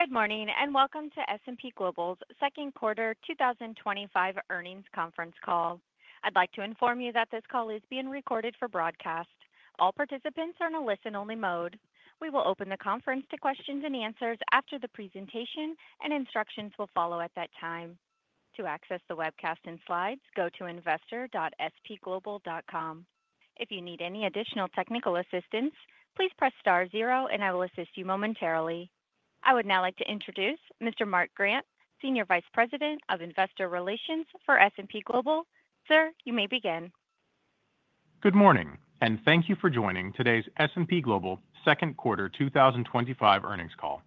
Good morning and welcome to S&P Global's Second Quarter 2025 Earnings Conference Call. I'd like to inform you that this call is being recorded for broadcast. All participants are in a listen-only mode. We will open the conference to questions and answers after the presentation, and instructions will follow at that time. To access the webcast and slides, go to investor.spglobal.com. If you need any additional technical assistance, please press star zero and I will assist you momentarily. I would now like to introduce Mr. Mark Grant, Senior Vice President of Investor Relations for S&P Global. Sir, you may begin. Good morning and thank you for joining today's S&P Global second quarter 2025 earnings call.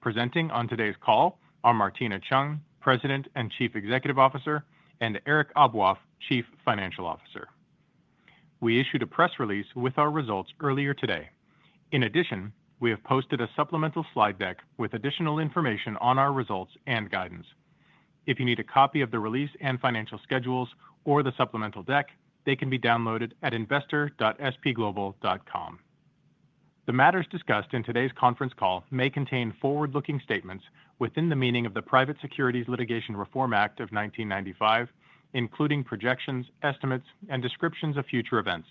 Presenting on today's call are Martina Cheung, President and Chief Executive Officer, and Eric Aboaf, Chief Financial Officer. We issued a press release with our results earlier today. In addition, we have posted a supplemental slide deck with additional information on our results and guidance. If you need a copy of the release and financial schedules or the supplemental deck, they can be downloaded at investor.spglobal.com. The matters discussed in today's conference call may contain forward-looking statements within the meaning of the Private Securities Litigation Reform Act of 1995, including projections, estimates, and descriptions of future events.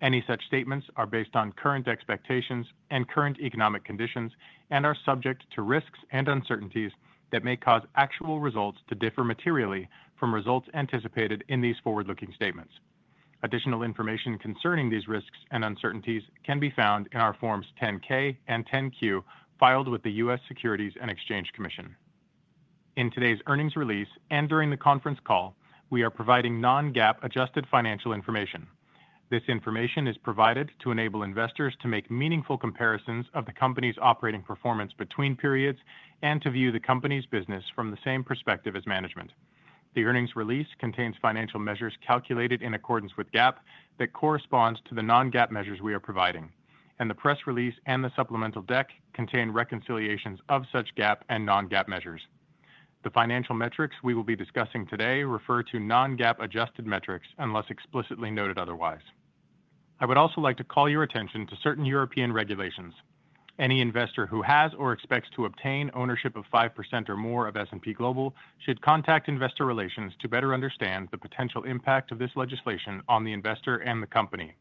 Any such statements are based on current expectations and current economic conditions and are subject to risks and uncertainties that may cause actual results to differ materially from results anticipated in these forward-looking statements. Additional information concerning these risks and uncertainties can be found in our Forms 10-K and 10-Q filed with the U.S. Securities and Exchange Commission. In today's earnings release and during the conference call, we are providing non-GAAP adjusted financial information. This information is provided to enable investors to make meaningful comparisons of the company's operating performance between periods and to view the company's business from the same perspective as management. The earnings release contains financial measures calculated in accordance with GAAP that correspond to the non-GAAP measures we are providing, and the press release and the supplemental deck contain reconciliations of such GAAP and non-GAAP measures. The financial metrics we will be discussing today refer to non-GAAP adjusted metrics unless explicitly noted otherwise. I would also like to call your attention to certain European regulations. Any investor who has or expects to obtain ownership of 5% or more of S&P Global should contact Investor Relations to better understand the potential impact of this legislation on the investor and the company.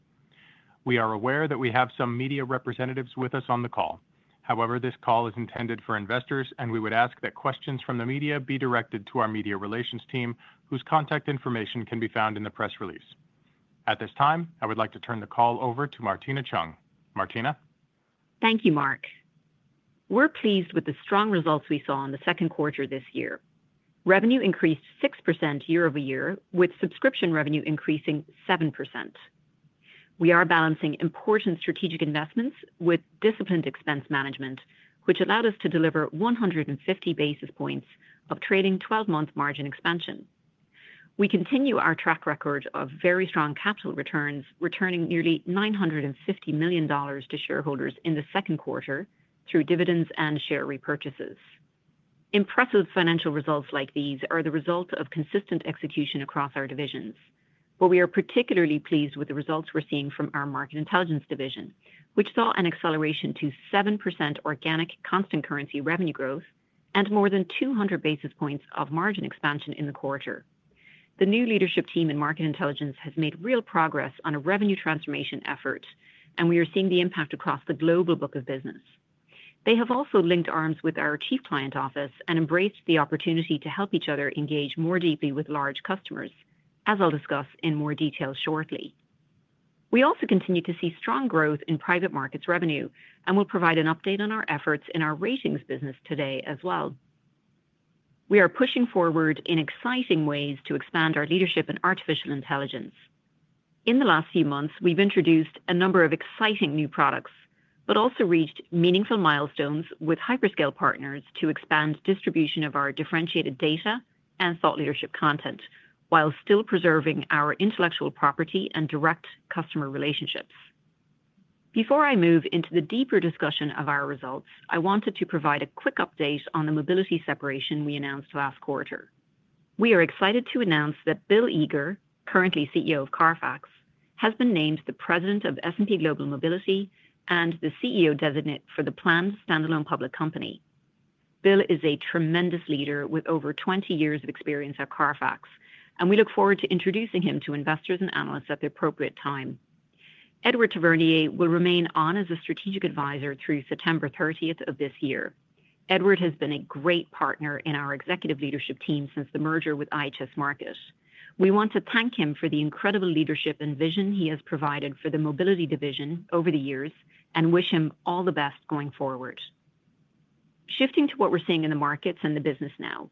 We are aware that we have some media representatives with us on the call. However, this call is intended for investors and we would ask that questions from the media be directed to our media relations team, whose contact information can be found in the press release. At this time, I would like to turn the call over to Martina Cheung. Martina? Thank you, Mark. We're pleased with the strong results we saw in the second quarter this year. Revenue increased 6% year over year with subscription revenue increasing 7%. We are balancing important strategic investments with disciplined expense management, which allowed us to deliver 150 basis points of trailing 12-month margin expansion. We continue our track record of very strong capital returns, returning nearly $950 million to shareholders in the second quarter through dividends and share repurchases. Impressive financial results like these are the result of consistent execution across our divisions, but we are particularly pleased with the results we're seeing from our Market Intelligence division, which saw an acceleration to 7% organic constant currency revenue growth and more than 200 basis points of margin expansion in the quarter. The new leadership team in Market Intelligence has made real progress on a revenue transformation effort, and we are seeing the impact across the global book of business. They have also linked arms with our Chief Client Office and embraced the opportunity to help each other engage more deeply with large customers, as I'll discuss in more detail shortly. We also continue to see strong growth in private markets revenue and will provide an update on our efforts in our Ratings business today as well. We are pushing forward in exciting ways to expand our leadership in artificial intelligence. In the last few months, we've introduced a number of exciting new products but also reached meaningful milestones with hyperscale partners to expand distribution of our differentiated data and thought leadership content while still preserving our intellectual property and direct customer relationships. Before I move into the deeper discussion of our results, I wanted to provide a quick update on the Mobility separation we announced last quarter. We are excited to announce that Bill Eager, currently CEO of CARFAX, has been named the President of S&P Global Mobility and the CEO-designate for the planned standalone public company. Bill is a tremendous leader with over 20 years of experience at CARFAX, and we look forward to introducing him to investors and analysts at the appropriate time. Edouard Tavernier will remain on as a strategic advisor through September 30, 2024. Edouard has been a great partner in our executive leadership team since the merger with IHS Markit. We want to thank him for the incredible leadership and vision he has provided for the Mobility division over the years and wish him all the best going forward. Shifting to what we're seeing in the markets and the business now,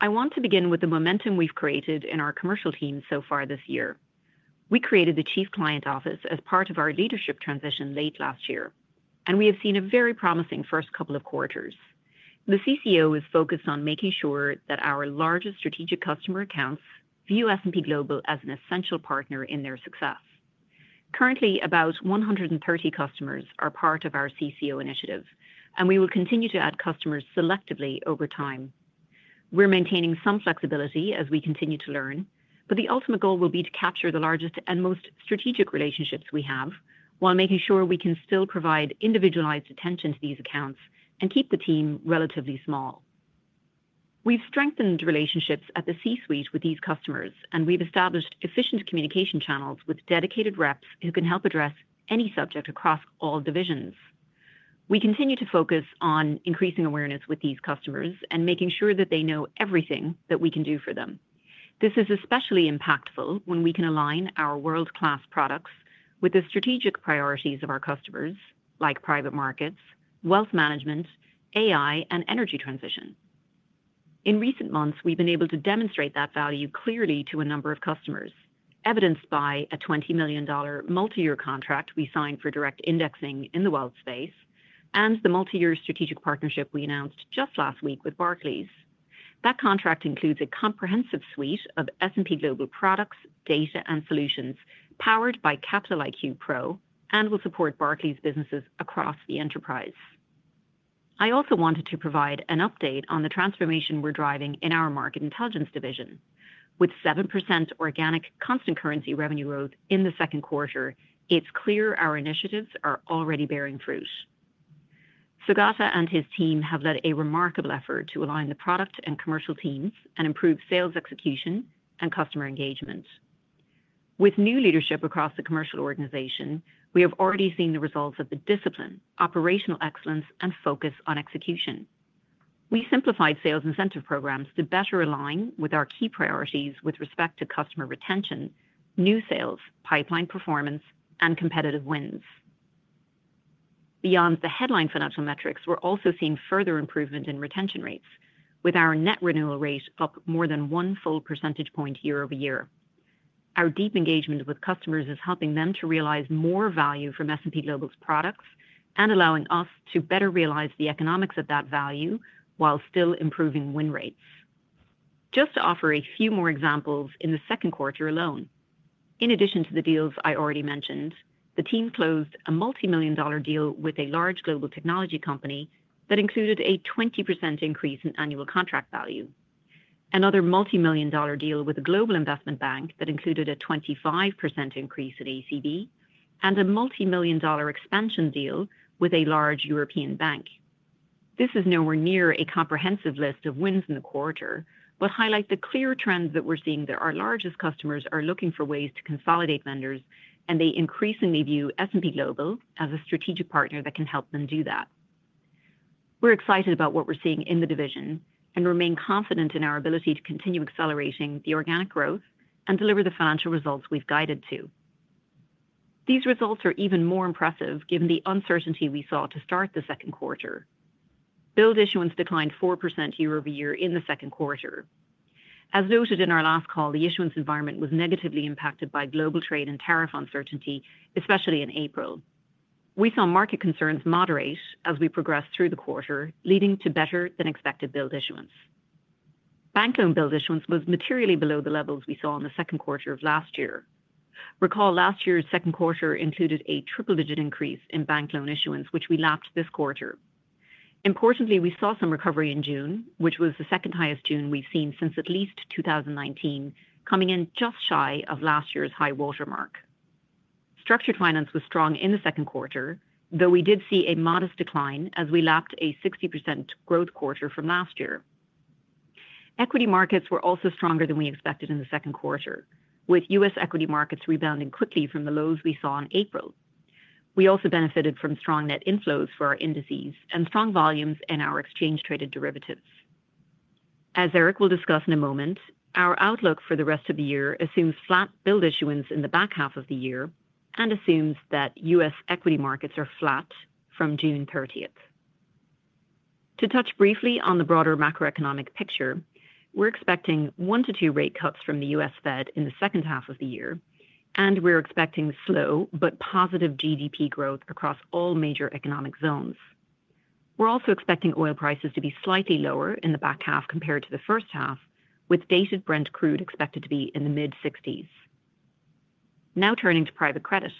I want to begin with the momentum we've created in our commercial teams so far this year. We created the Chief Client Office as part of our leadership transition late last year, and we have seen a very promising first couple of quarters. The CCO is focused on making sure that our largest strategic customer accounts view S&P Global as an essential partner in their success. Currently, about 130 customers are part of our CCO initiative, and we will continue to add customers selectively over time. We're maintaining some flexibility as we continue to learn, but the ultimate goal will be to capture the largest and most strategic relationships we have while making sure we can still provide individualized attention to these accounts and keep the team relatively small. We've strengthened relationships at the C-suite with these customers, and we've established efficient communication channels with dedicated reps who can help address any subject across all divisions. We continue to focus on increasing awareness with these customers and making sure that they know everything that we can do for them. This is especially impactful when we can align our world-class products with the strategic priorities of our customers like private markets, wealth management, AI, and energy transition. In recent months, we've been able to demonstrate that value clearly to a number of customers, evidenced by a $20 million multi-year contract we signed for direct indexing in the wealth space and the multi-year strategic partnership we announced just last week with Barclays. That contract includes a comprehensive suite of S&P Global products, data, and solutions powered by Capital IQ Pro and will support Barclays businesses across the enterprise. I also wanted to provide an update on the transformation we're driving in our Market Intelligence division. With 7% organic constant currency revenue growth in the second quarter, it's clear our initiatives are already bearing fruit. Saugata and his team have led a remarkable effort to align the product and commercial teams and improve sales execution and customer engagement with new leadership across the commercial organization. We have already seen the results of the discipline, operational excellence, and focus on execution. We simplified sales incentive programs to better align with our key priorities with respect to customer retention, new sales pipeline performance, and competitive wins. Beyond the headline financial metrics, we're also seeing further improvement in retention rates with our net renewal rate up more than one full percentage point year over year. Our deep engagement with customers is helping them to realize more value from S&P Global's products and allowing us to better realize the economics of that value while still improving win rates. Just to offer a few more examples, in the second quarter alone, in addition to the deals I already mentioned, the team closed a multimillion dollar deal with a large global technology company that included a 20% increase in annual contract value, another multimillion dollar deal with a global investment bank that included a 25% increase in ACB, and a multimillion dollar expansion deal with a large European bank. This is nowhere near a comprehensive list of wins in the quarter, but highlights the clear trends that we're seeing that our largest customers are looking for ways to consolidate vendors, and they increasingly view S&P Global as a strategic partner that can help them do that. We're excited about what we're seeing in the division and remain confident in our ability to continue accelerating the organic growth and deliver the financial results we've guided to. These results are even more impressive given the uncertainty we saw to start the second quarter. Build issuance declined 4% year-over-year in the second quarter. As noted in our last call, the issuance environment was negatively impacted by global trade and tariff uncertainty, especially in April. We saw market concerns moderate as we progressed through the quarter, leading to better than expected build issuance. Bank loan build issuance was materially below the levels we saw in the second quarter of last year. Recall last year's second quarter included a triple-digit increase in bank loan issuance which we lapped this quarter. Importantly, we saw some recovery in June, which was the second highest June we've seen since at least 2019, coming in just shy of last year's high water mark. Structured Finance was strong in the second quarter, though we did see a modest decline as we lapped a 60% growth quarter from last year. Equity markets were also stronger than we expected in the second quarter, with U.S. equity markets rebounding quickly from the lows we saw in April. We also benefited from strong net inflows for our indices and strong volumes in our exchange-traded derivatives. As Eric will discuss in a moment, our outlook for the rest of the year assumes flat build issuance in the back half of the year and assumes that U.S. equity markets are flat from June 30th. To touch briefly on the broader macroeconomic picture, we're expecting one to two rate cuts from the U.S. Fed in the second half of the year, and we're expecting slow but positive GDP growth across all major economic zones. We're also expecting oil prices to be slightly lower in the back half compared to the first half, with dated Brent crude expected to be in the mid-$60s. Now turning to private credit,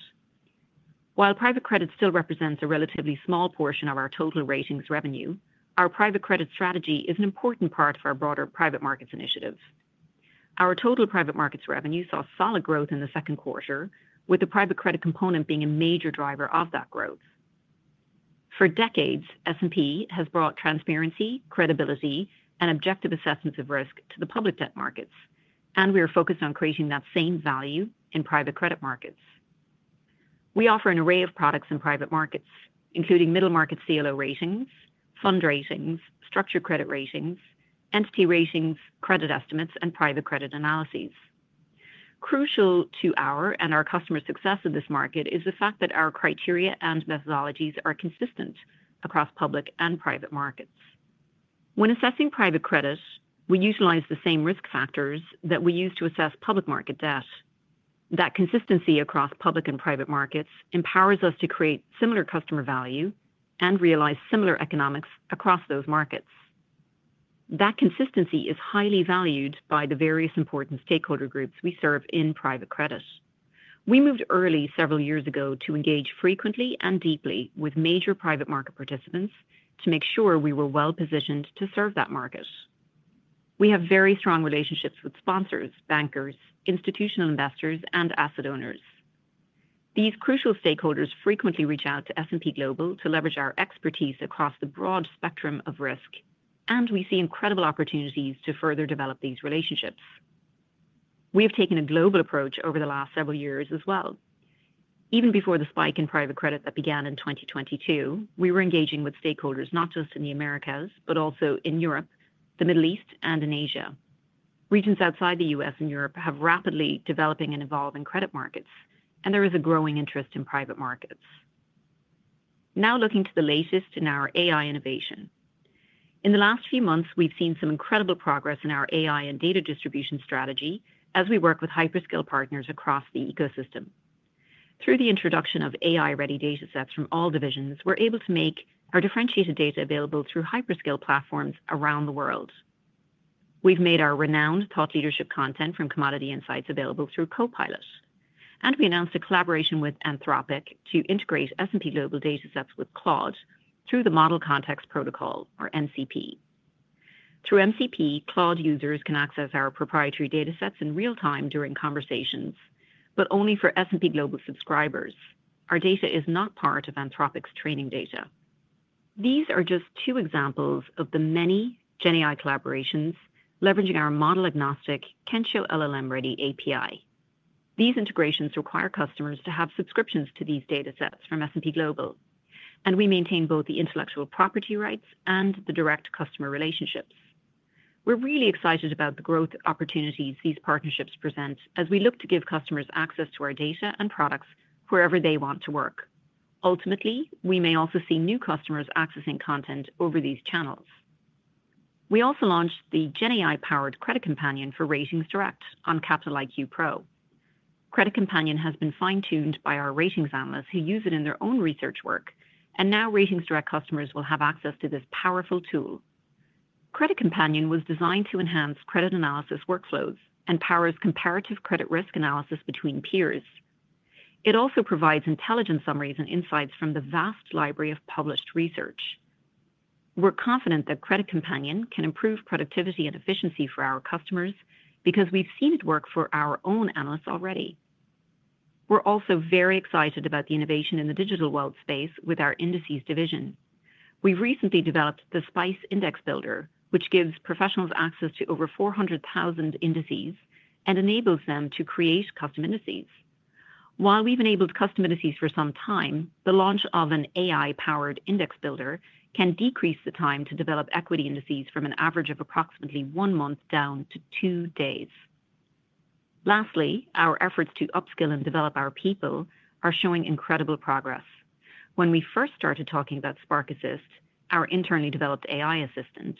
while private credit still represents a relatively small portion of our total ratings revenue, our private credit strategy is an important part of our broader private markets initiative. Our total private markets revenue saw solid growth in the second quarter, with the private credit component being a major driver of that growth. For decades, S&P has brought transparency, credibility, and objective assessments of risk to the public debt markets, and we are focused on creating that same value in private credit markets. We offer an array of products in private markets, including middle market CLO ratings, fund ratings, structured credit ratings, entity ratings, credit estimates, and private credit analyses. Crucial to our and our customer success in this market is the fact that our criteria and methodologies are consistent across public and private markets. When assessing private credit, we utilize the same risk factors that we use to assess public market debt. That consistency across public and private markets empowers us to create similar customer value and realize similar economics across those markets. That consistency is highly valued by the various important stakeholder groups we serve in private credit. We moved early several years ago to engage frequently and deeply with major private market participants to make sure we were well positioned to serve that market. We have very strong relationships with sponsors, bankers, institutional investors, and asset owners. These crucial stakeholders frequently reach out to S&P Global to leverage our expertise across the broad spectrum of risk, and we see incredible opportunities to further develop these relationships. We have taken a global approach over the last several years as well. Even before the spike in private credit that began in 2022, we were engaging with stakeholders not just in the Americas, but also in Europe, the Middle East, and in Asia. Regions outside the U.S. and Europe have rapidly developing and evolving credit markets, and there is a growing interest in private markets. Now looking to the latest in our AI innovation, in the last few months we've seen some incredible progress in our AI and data distribution strategy as we work with hyperscale partners across the ecosystem. Through the introduction of AI-ready datasets from all divisions, we're able to make our differentiated data available through hyperscale platforms around the world. We've made our renowned thought leadership content from Commodity Insights available through Copilot, and we announced a collaboration with Anthropic to integrate S&P Global datasets with Claude through the Model Context Protocol, or MCP. Through MCP, Claude users can access our proprietary datasets in real time during conversations, but only for S&P Global subscribers. Our data is not part of Anthropic's training data. These are just two examples of the many GenAI collaborations leveraging our model-agnostic Kensho LLM Ready API. These integrations require customers to have subscriptions to these datasets from S&P Global, and we maintain both the intellectual property rights and the direct customer relationships. We're really excited about the growth opportunities these partnerships present as we look to give customers access to our data and products wherever they want to work. Ultimately, we may also see new customers accessing content over these channels. We also launched the GenAI-powered CreditCompanion for RatingsDirect on Capital IQ Pro. CreditCompanion has been fine-tuned by our ratings analysts who use it in their own research work, and now RatingsDirect customers will have access to this powerful tool. CreditCompanion was designed to enhance credit analysis workflows and powers comparative credit risk analysis between peers. It also provides intelligent summaries and insights from the vast library of published research. We're confident that CreditCompanion can improve productivity and efficiency for our customers because we've seen it work for our own analysts already. We're also very excited about the innovation in the digital world space with our Indices division. We've recently developed the SPICE IndexBuilder, which gives professionals access to over 400,000 indices and enables them to create custom indices. While we've enabled custom indices for some time, the launch of an AI-powered index builder can decrease the time to develop equity indices from an average of approximately one month down to two days. Lastly, our efforts to upskill and develop our people are showing incredible progress. When we first started talking about Spark Assist, our internally developed AI assistant,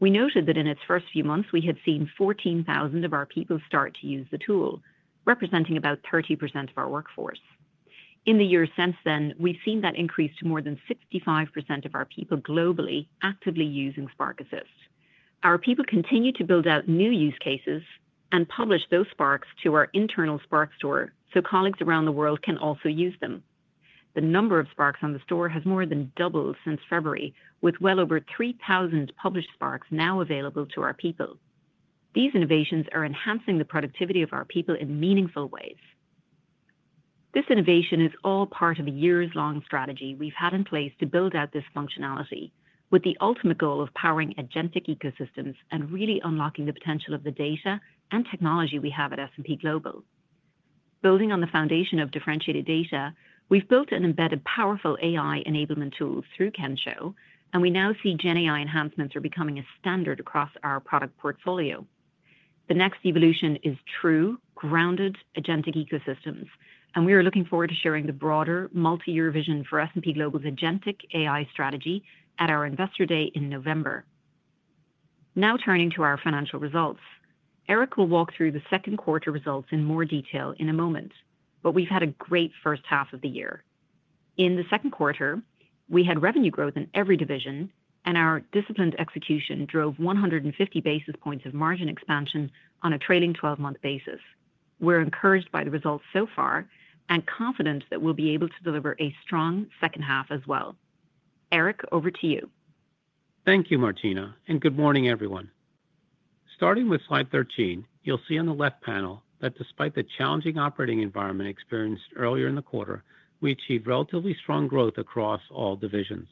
we noted that in its first few months we had seen 14,000 of our people start to use the tool, representing about 30% of our workforce. In the years since then, we've seen that increase to more than 65% of our people globally actively using Spark Assist. Our people continue to build out new use cases and publish those sparks to our internal Spark Store so colleagues around the world can also use them. The number of sparks on the store has more than doubled since February, with well over 3,000 published sparks now available to our people. These innovations are enhancing the productivity of our people in meaningful ways. This innovation is all part of a years-long strategy we've had in place to build out this functionality with the ultimate goal of powering agentic ecosystems and really unlocking the potential of the data and technology we have at S&P Global. Building on the foundation of differentiated data, we've built and embedded powerful AI enablement tools through Kensho, and we now see GenAI enhancements are becoming a standard across our product portfolio. The next evolution is true grounded agentic ecosystems, and we are looking forward to sharing the broader multi-year vision for S&P Global's agentic AI strategy at our Investor Day in November. Now turning to our financial results, Eric will walk through the second quarter results in more detail in a moment, but we've had a great first half of the year. In the second quarter, we had revenue growth in every division, and our disciplined execution drove 150 basis points of margin expansion on a trailing 12-month basis. We're encouraged by the results so far and confident that we'll be able to deliver a strong second half as well. Eric, over to you. Thank you Martina and good morning everyone. Starting with slide 13, you'll see on the left panel that despite the challenging operating environment experienced earlier in the quarter, we achieved relatively strong growth across all divisions.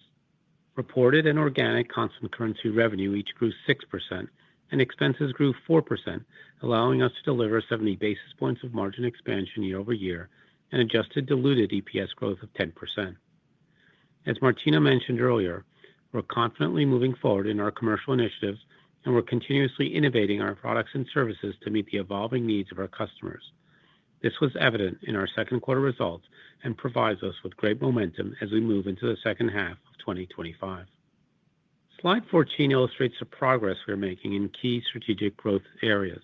Reported and organic constant currency revenue each grew 6% and expenses grew 4%, allowing us to deliver 70 basis points of margin expansion year over year and adjusted diluted EPS growth of 10%. As Martina mentioned earlier, we're confidently moving forward in our commercial initiatives and we're continuously innovating our products and services to meet the evolving needs of our customers. This was evident in our second quarter results and provides us with great momentum as we move into the second half of 2025. Slide 14 illustrates the progress we're making in key strategic growth areas.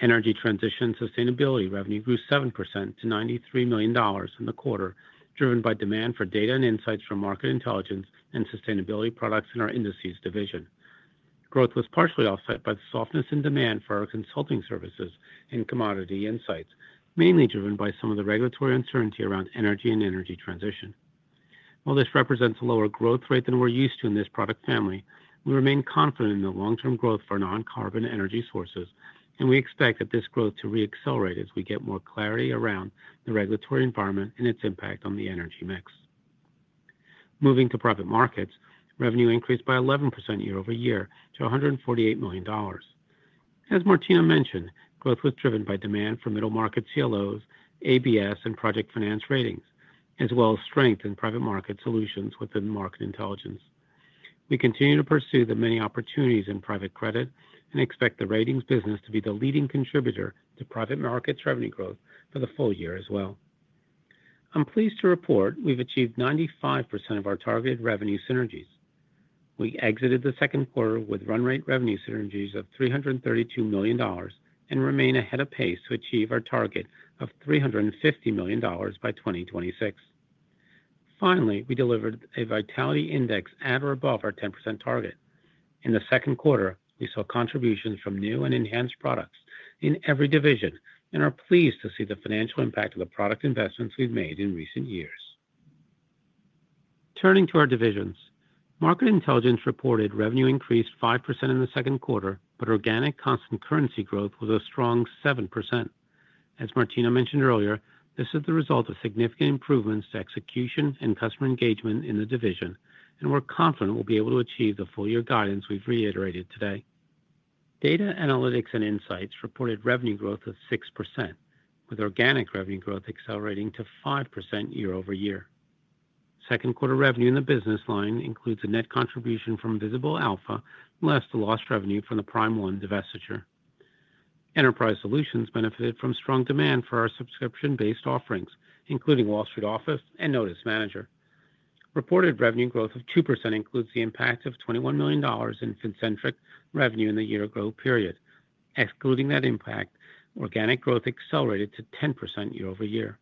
Energy transition and sustainability revenue grew 7% to $93 million in the quarter, driven by demand for data and insights from Market Intelligence and sustainability products in our indices division. Growth was partially offset by the softness in demand for our consulting services and Commodity Insights, mainly driven by some of the regulatory uncertainty around energy and energy transition. While this represents a lower growth rate than we're used to in this product family, we remain confident in the long-term growth for non-carbon energy sources and we expect that this growth to reaccelerate as we get more clarity around the regulatory environment and its impact on the energy mix. Moving to private markets, revenue increased by 11% year over year to $148 million. As Martina mentioned, growth was driven by demand for middle market CLOs, ABS and project finance ratings as well as strength in private market solutions within Market Intelligence, we continue to pursue the many opportunities in private credit and expect the ratings business to be the leading contributor to private markets revenue growth for the full year as well. I'm pleased to report we've achieved 95% of our targeted revenue synergies. We exited the second quarter with run rate revenue synergies of $332 million and remain ahead of pace to achieve our target of $350 million by 2026. Finally, we delivered a Vitality Index at or above our 10% target in the second quarter. We saw contributions from new and enhanced products in every division and are pleased to see the financial impact of the product investments we've made in recent years. Turning to our divisions, Market Intelligence reported revenue increased 5% in the second quarter, but organic constant currency growth was a strong 7%. As Martina mentioned earlier, this is the result of significant improvements to execution and customer engagement in the division, and we're confident we'll be able to achieve the full year guidance we've reiterated today. Data, Analytics and Insights reported revenue growth of 6% with organic revenue growth accelerating to 5% year over year. Second quarter revenue in the business line includes a net contribution from Visible Alpha, less the lost revenue from the PrimeOne divestiture. Enterprise Solutions benefited from strong demand for our subscription-based offerings, including Wall Street Office and Notice Manager. Reported revenue growth of 2% includes the impact of $21 million in Fincentric revenue in the year-ago period. Excluding that impact, organic growth accelerated to 10% year over year.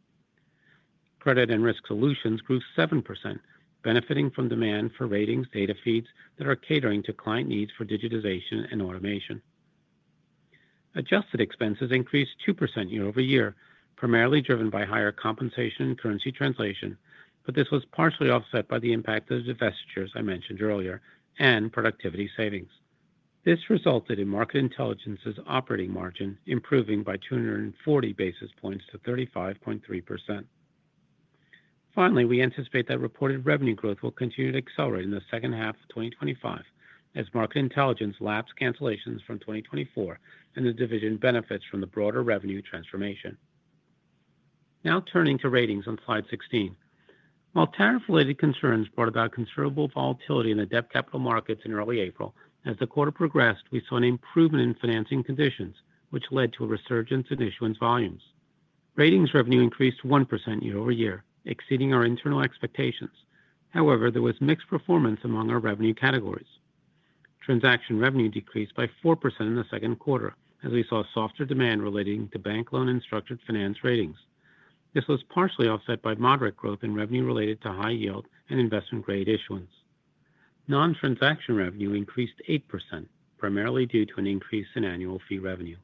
Credit and Risk Solutions grew 7%, benefiting from demand for Ratings data feeds that are catering to client needs for digitization and automation. Adjusted expenses increased 2% year over year, primarily driven by higher compensation and currency translation, but this was partially offset by the impact of divestitures I mentioned earlier and productivity savings. This resulted in Market Intelligence's operating margin improving by 240 basis points to 35.3%. Finally, we anticipate that reported revenue growth will continue to accelerate in the second half of 2025 as Market Intelligence lapses cancellations from 2024 and the division benefits from the broader revenue transformation. Now turning to Ratings on slide 16. While tariff-related concerns brought about considerable volatility in the debt capital markets in early April, as the quarter progressed we saw an improvement in financing conditions, which led to a resurgence in issuance volumes. Ratings revenue increased 1% year over year, exceeding our internal expectations. However, there was mixed performance among our revenue categories. Transaction revenue decreased by 4% in the second quarter as we saw softer demand relating to bank loan and structured finance ratings. This was partially offset by moderate growth in revenue related to high yield and investment grade issuance. Non-transaction revenue increased 8%, primarily due to an increase in annual fee revenue.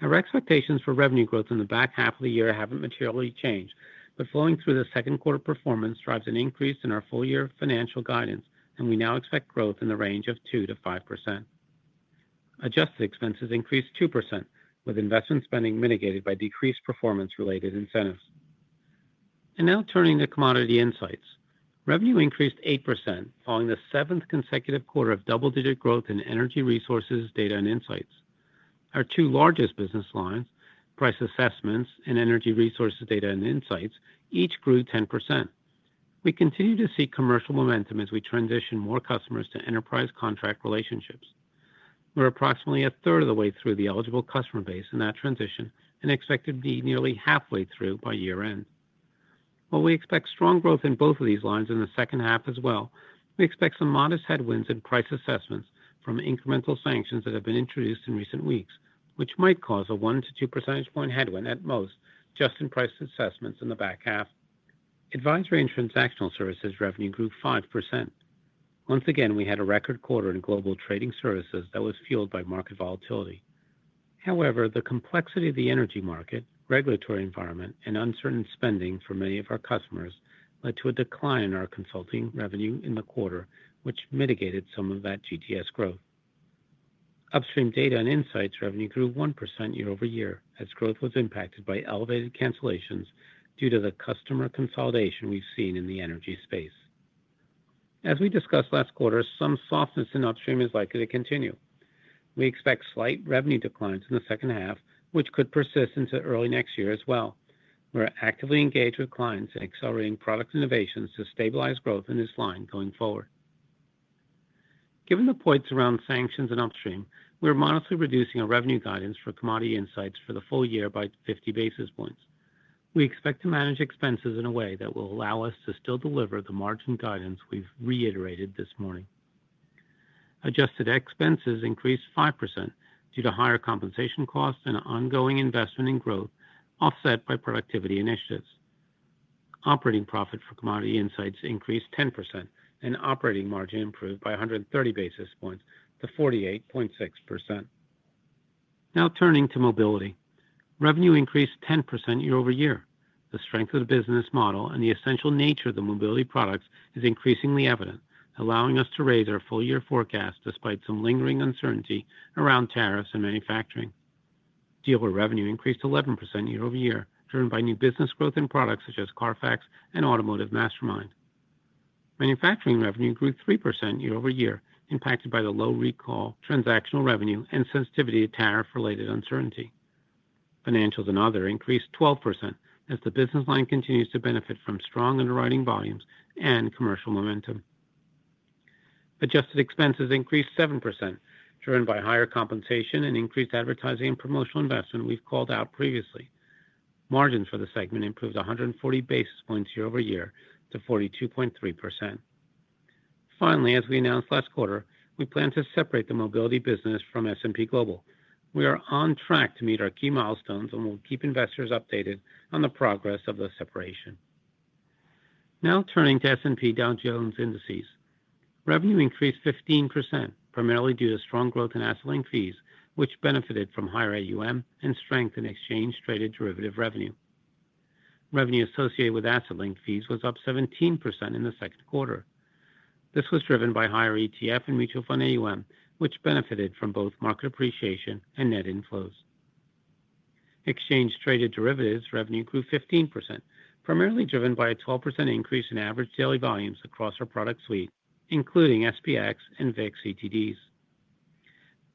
Our expectations for revenue growth in the back half of the year haven't materially changed, but flowing through the second quarter, performance drives an increase in our full year financial guidance, and we now expect growth in the range of 2% to 5%. Adjusted expenses increased 2% with investment spending mitigated by decreased performance-related incentives. Now turning to Commodity Insights, revenue increased 8% following the seventh consecutive quarter of double-digit growth in Energy Resources Data and Insights, our two largest business lines. Price Assessments and Energy Resources Data and Insights each grew 10%. We continue to see commercial momentum as we transition more customers to enterprise contract relationships. We're approximately a third of the way through the eligible customer base in that transition and expect to be nearly halfway through by year end. While we expect strong growth in both of these lines in the second half as well, we expect some modest headwinds in Price Assessments from incremental sanctions that have been introduced in recent weeks, which might cause a 1% to 2% headwind at most just in Price Assessments. In the back half, Advisory and Transactional Services revenue grew 5%. Once again, we had a record quarter in Global Trading Services that was fueled by market volatility. However, the complexity of the energy market regulatory environment and uncertain spending for many of our customers led to a decline in our consulting revenue in the quarter, which mitigated some of that GTS growth. Upstream Data and Insights revenue grew 1% year over year as growth was impacted by elevated cancellations due to the client consolidation we've seen in the energy space. As we discussed last quarter, some softness in Upstream is likely to continue. We expect slight revenue declines in the second half, which could persist into early next year as well. We're actively engaged with clients in accelerating product innovations to stabilize growth in this line going forward. Given the points around sanctions and Upstream, we're modestly reducing our revenue guidance for Commodity Insights for the full year by 50 basis points. We expect to manage expenses in a way that will allow us to still deliver the margin guidance we've reiterated this morning. Adjusted expenses increased 5% due to higher compensation costs and ongoing investment in growth, offset by productivity initiatives. Operating profit for Commodity Insights increased 10% and operating margin improved by 130 basis points to 48.6%. Now turning to Mobility, revenue increased 10% year over year. The strength of the business model and the essential nature of the Mobility products is increasingly evident, allowing us to raise our full year forecast despite some lingering uncertainty around tariffs and manufacturing. Dealer revenue increased 11% year over year, driven by new business growth in products such as CARFAX and automotiveMastermind. Manufacturing revenue grew 3% year over year, impacted by the low recall transactional revenue and sensitivity to tariff-related uncertainty. Financials and other increased 12% as the business line continues to benefit from strong underwriting volumes and commercial momentum. Adjusted expenses increased 7%, driven by higher compensation and increased advertising and promotional investment we've called out previously. Margins for the segment improved 140 basis points year over year to 42.3%. Finally, as we announced last quarter, we plan to separate the Mobility business from S&P Global. We are on track to meet our key milestones and will keep investors updated on the progress of the separation. Now turning to S&P Dow Jones Indices, revenue increased 15% primarily due to strong growth in asset-linked fees, which benefited from higher AUM and strength in exchange-traded derivative revenue. Revenue associated with asset-linked fees was up 17% in the second quarter. This was driven by higher ETF and mutual fund AUM, which benefited from both market appreciation and net inflows. Exchange-traded derivatives revenue grew 15%, primarily driven by a 12% increase in average daily volumes across our product suite, including SPX and VIX CTDs.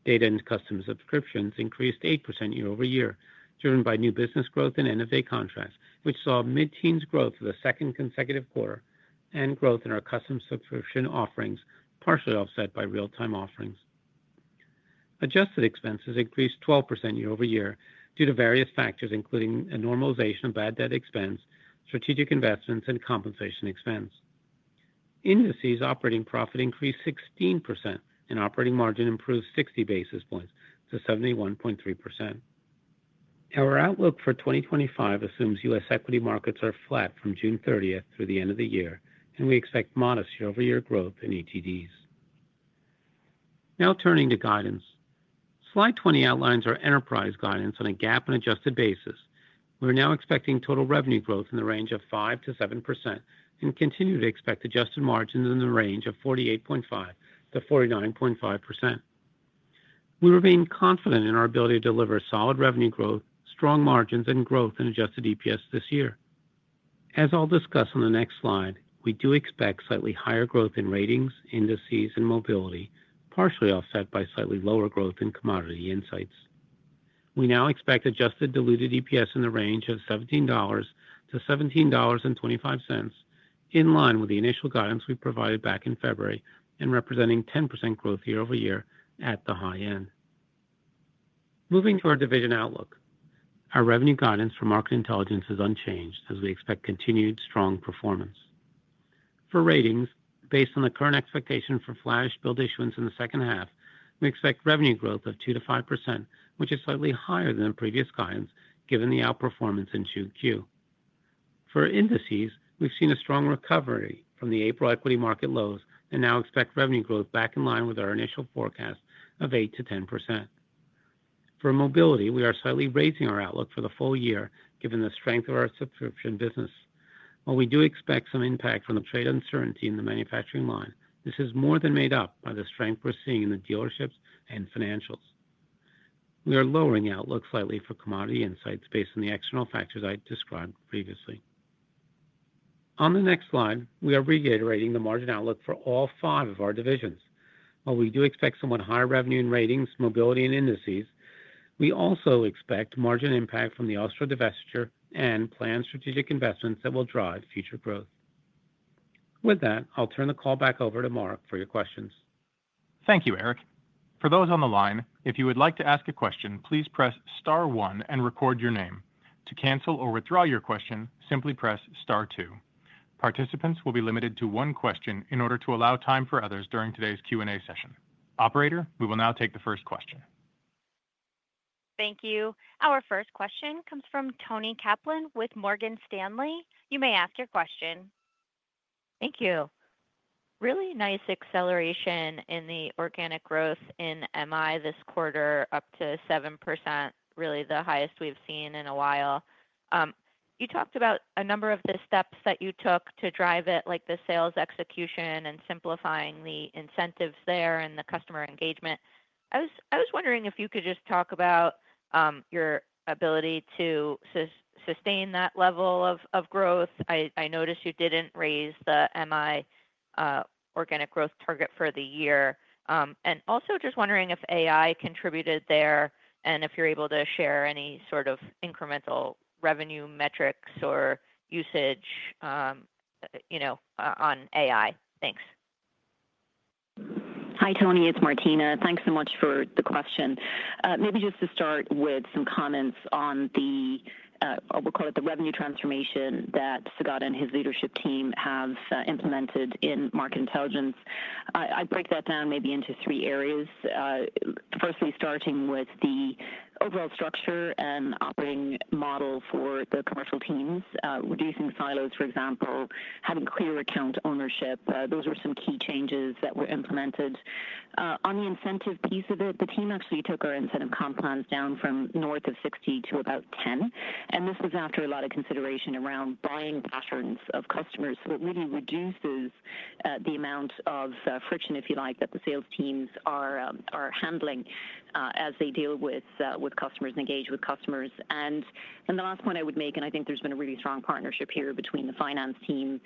Data and custom subscriptions increased 8% year over year, driven by new business growth and NFA contracts, which saw mid-teens growth for the second consecutive quarter, and growth in our custom subscription offerings, partially offset by real-time offerings. Adjusted expenses increased 12% year over year due to various factors, including a normalization of bad debt expense, strategic investments, and compensation expenses. Operating profit increased 16% and operating margin improved 60 basis points to 71.3%. Our outlook for 2025 assumes U.S. equity markets are flat from June 30 through the end of the year, and we expect modest year over year growth in ATDs. Now turning to guidance, slide 20 outlines our enterprise guidance on a GAAP and adjusted basis. We are now expecting total revenue growth in the range of 5% to 7% and continue to expect adjusted margins in the range of 48.5% to 49.5%. We remain confident in our ability to deliver solid revenue growth, strong margins, and growth in adjusted EPS this year. As I'll discuss on the next slide, we do expect slightly higher growth in Ratings, Indices, and Mobility, partially offset by slightly lower growth in Commodity Insights. We now expect adjusted diluted EPS in the range of $17 to $17.25, in line with the initial guidance we provided back in February and representing 10% growth year over year at the high end. Moving to our division outlook, our revenue guidance for Market Intelligence is unchanged as we expect continued strong performance for Ratings based on the current expectation for flash build issuance. In the second half, we expect revenue growth of 2% to 5%, which is slightly higher than previous guidance. Given the outperformance in 2Q for Indices, we've seen a strong recovery from the April equity market lows and now expect revenue growth back in line with our initial forecast of 8% to 10%. For Mobility, we are slightly raising our outlook for the full year given the strength of our subscription business. While we do expect some impact from the trade uncertainty in the manufacturing line, this is more than made up by the strength we're seeing in the dealerships and financials. We are lowering outlook slightly for Commodity Insights based on the external factors I described previously. On the next slide, we are reiterating the margin outlook for all five of our divisions. While we do expect somewhat higher revenue in Ratings, Mobility, and Indices, we also expect margin impact from the Austro divestiture and planned strategic investments that will drive future growth. With that, I'll turn the call back over to Mark for your questions. Thank you, Eric. For those on the line, if you would like to ask a question, please press star one and record your name. To cancel or withdraw your question, simply press star two. Participants will be limited to one question in order to allow time for others during today's Q&A session. Operator, we will now take the first question. Thank you. Our first question comes from Toni Kaplan with Morgan Stanley. You may ask your question. Thank you. Really nice acceleration in the organic growth in MI this quarter, up to 7%. Really the highest we've seen in a while. You talked about a number of the steps that you took to drive it, like the sales execution and simplifying the incentives there and the customer engagement. I was wondering if you could just talk about your ability to sustain that level of growth. I noticed you didn't raise the MI organic growth target for the year and also just wondering if AI contributed there and if you're able to share any sort of incremental revenue metrics or usage on AI. Thanks. Hi Toni, it's Martina. Thanks so much for the question. Maybe just to start with some comments on the revenue transformation that Saugata and his leadership team have implemented in Market Intelligence. I break that down maybe into three areas. Firstly, starting with the overall structure and operating model for the commercial teams, reducing silos, for example, having clear account ownership. Those were some key changes that were implemented on the incentive piece of it. The team actually took our incentive comp plans down from north of 60 to about 10, and this was after a lot of consideration around buying patterns of customers. That really reduces the amount of friction, if you like, that the sales teams are handling as they deal with customers, engage with customers. The last point I would make, and I think there's been a really strong partnership here between the finance team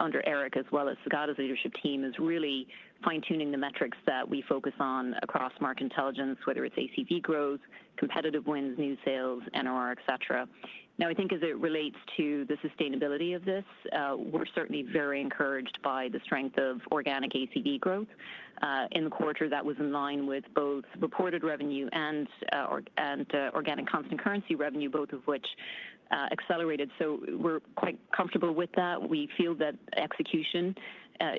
under Eric as well as Saugata's leadership team is really fine-tuning the metrics that we focus on across Market Intelligence, whether it's ACV growth, competitive wins, new sales, NRR, et cetera. Now, I think as it relates to the sustainability of this, we're certainly very encouraged by the strength of organic ACV growth in the quarter that was in line with both reported revenue and organic constant currency revenue, both of which accelerated. We're quite comfortable with that. We feel that execution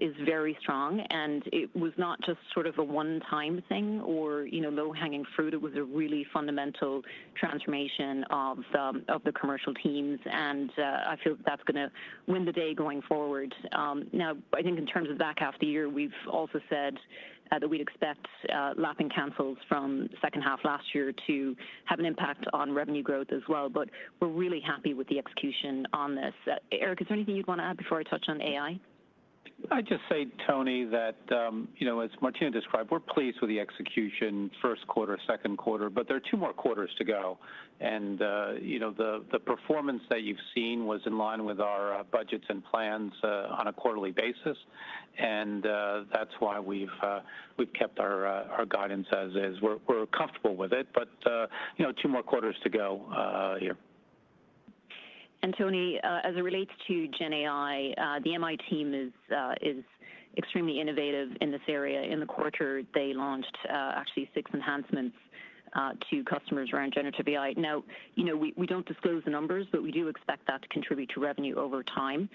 is very strong and it was not just sort of a one-time thing or, you know, low-hanging fruit. It was a really fundamental transformation of the commercial teams and I feel that's going to win the day going forward. Now, I think in terms of back half the year, we've also said that we'd expect lapping cancels from second half last year to have an impact on revenue growth as well. We're really happy with the execution on this. Eric, is there anything you'd want to add before I touch on AI? I'd just say, Toni, that as Martina described, we're pleased with the execution first quarter, second quarter, but there are two more quarters to go and the performance that you've seen was in line with our budgets and plans on a quarterly basis, and that's why we've kept our guidance as is. We're comfortable with it. There are two more quarters to go here. Tony, as it relates to GenAI, the MI team is extremely innovative in this area. In the quarter, they launched actually six enhancements to customers around Generative AI. You know, we don't disclose the numbers, but we do expect that to contribute to revenue over time.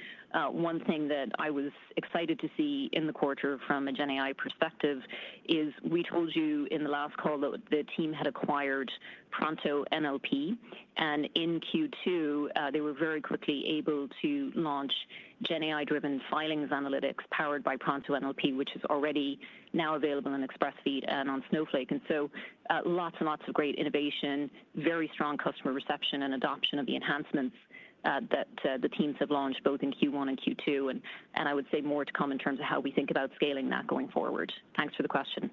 One thing that I was excited to see in the quarter from a GenAI perspective is we told you in the last call that the team had acquired ProntoNLP, and in Q2 they were very quickly able to launch GenAI-driven filings analytics powered by ProntoNLP, which is already now available in Xpressfeed and on Snowflake. Lots and lots of great innovation, very strong customer reception and adoption of the enhancements that the teams have launched both in Q1 and Q2. I would say more to come in terms of how we think about scaling that going forward. Thanks for the question.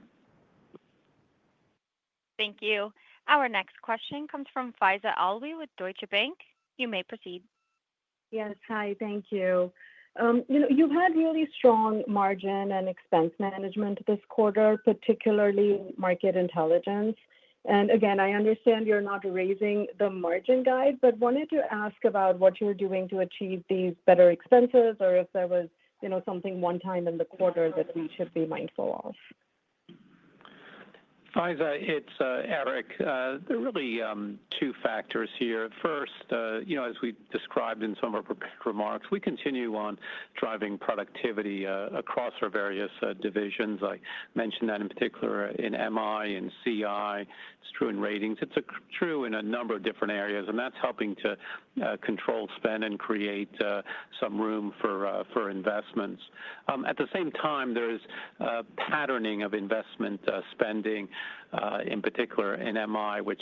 Thank you. Our next question comes from Faiza Alwy with Deutsche Bank. You may proceed. Yes, hi. Thank you. You've had really strong margin and expense management this quarter, particularly Market Intelligence. I understand you're not raising the margin guide, but wanted to ask about what you're doing to achieve these better expenses, or if there was something one time in the quarter that we should be mindful of. Faiza, it's Eric. There are really two factors here. First, as we described in some of our remarks, we continue on driving productivity across our various divisions. I mentioned that in particular in MI and CI. It's true in Ratings, it's true in a number of different areas. That's helping to control spend and create some room for investments. At the same time, there is patterning of investment spending, in particular in MI, which,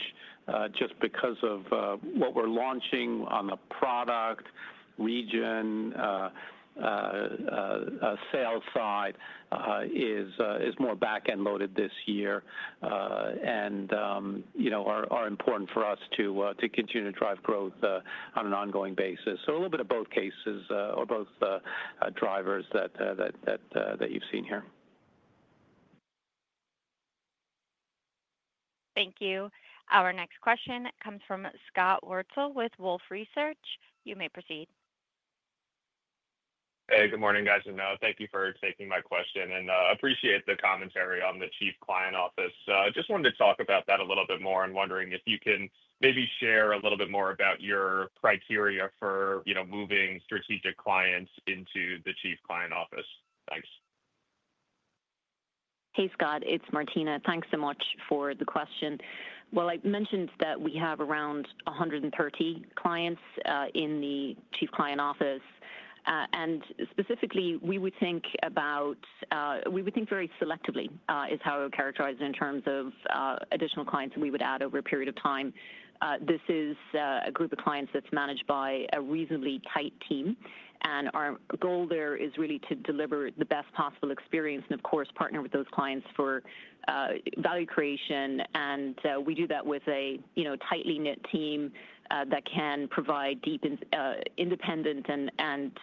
just because of what we're launching on the product, region, sales side, is more back-end loaded this year and are important for us to continue to drive growth on an ongoing basis. A little bit of both cases or both drivers that you've seen here. Thank you. Our next question comes from Scott Wurtzel with Wolfe Research. You may proceed. Hey, good morning, guys, and thank you. for taking my question and appreciate the commentary on the Chief Client Office. Just wanted to talk about that a little bit more and wondering if you can maybe share a little bit more about your criteria for moving strategic clients. Into the Chief Client Office. Thanks. Hey, Scott, it's Martina. Thanks so much for the question. I mentioned that we have around 130 clients in the Chief Client Office and specifically we would think very selectively is how I would characterize in terms of additional clients we would add over a period of time. This is a group of clients that's managed by a reasonably tight team. Our goal there is really to deliver the best possible experience and of course partner with those clients for value creation. We do that with a tightly knit team that can provide deep, independent, and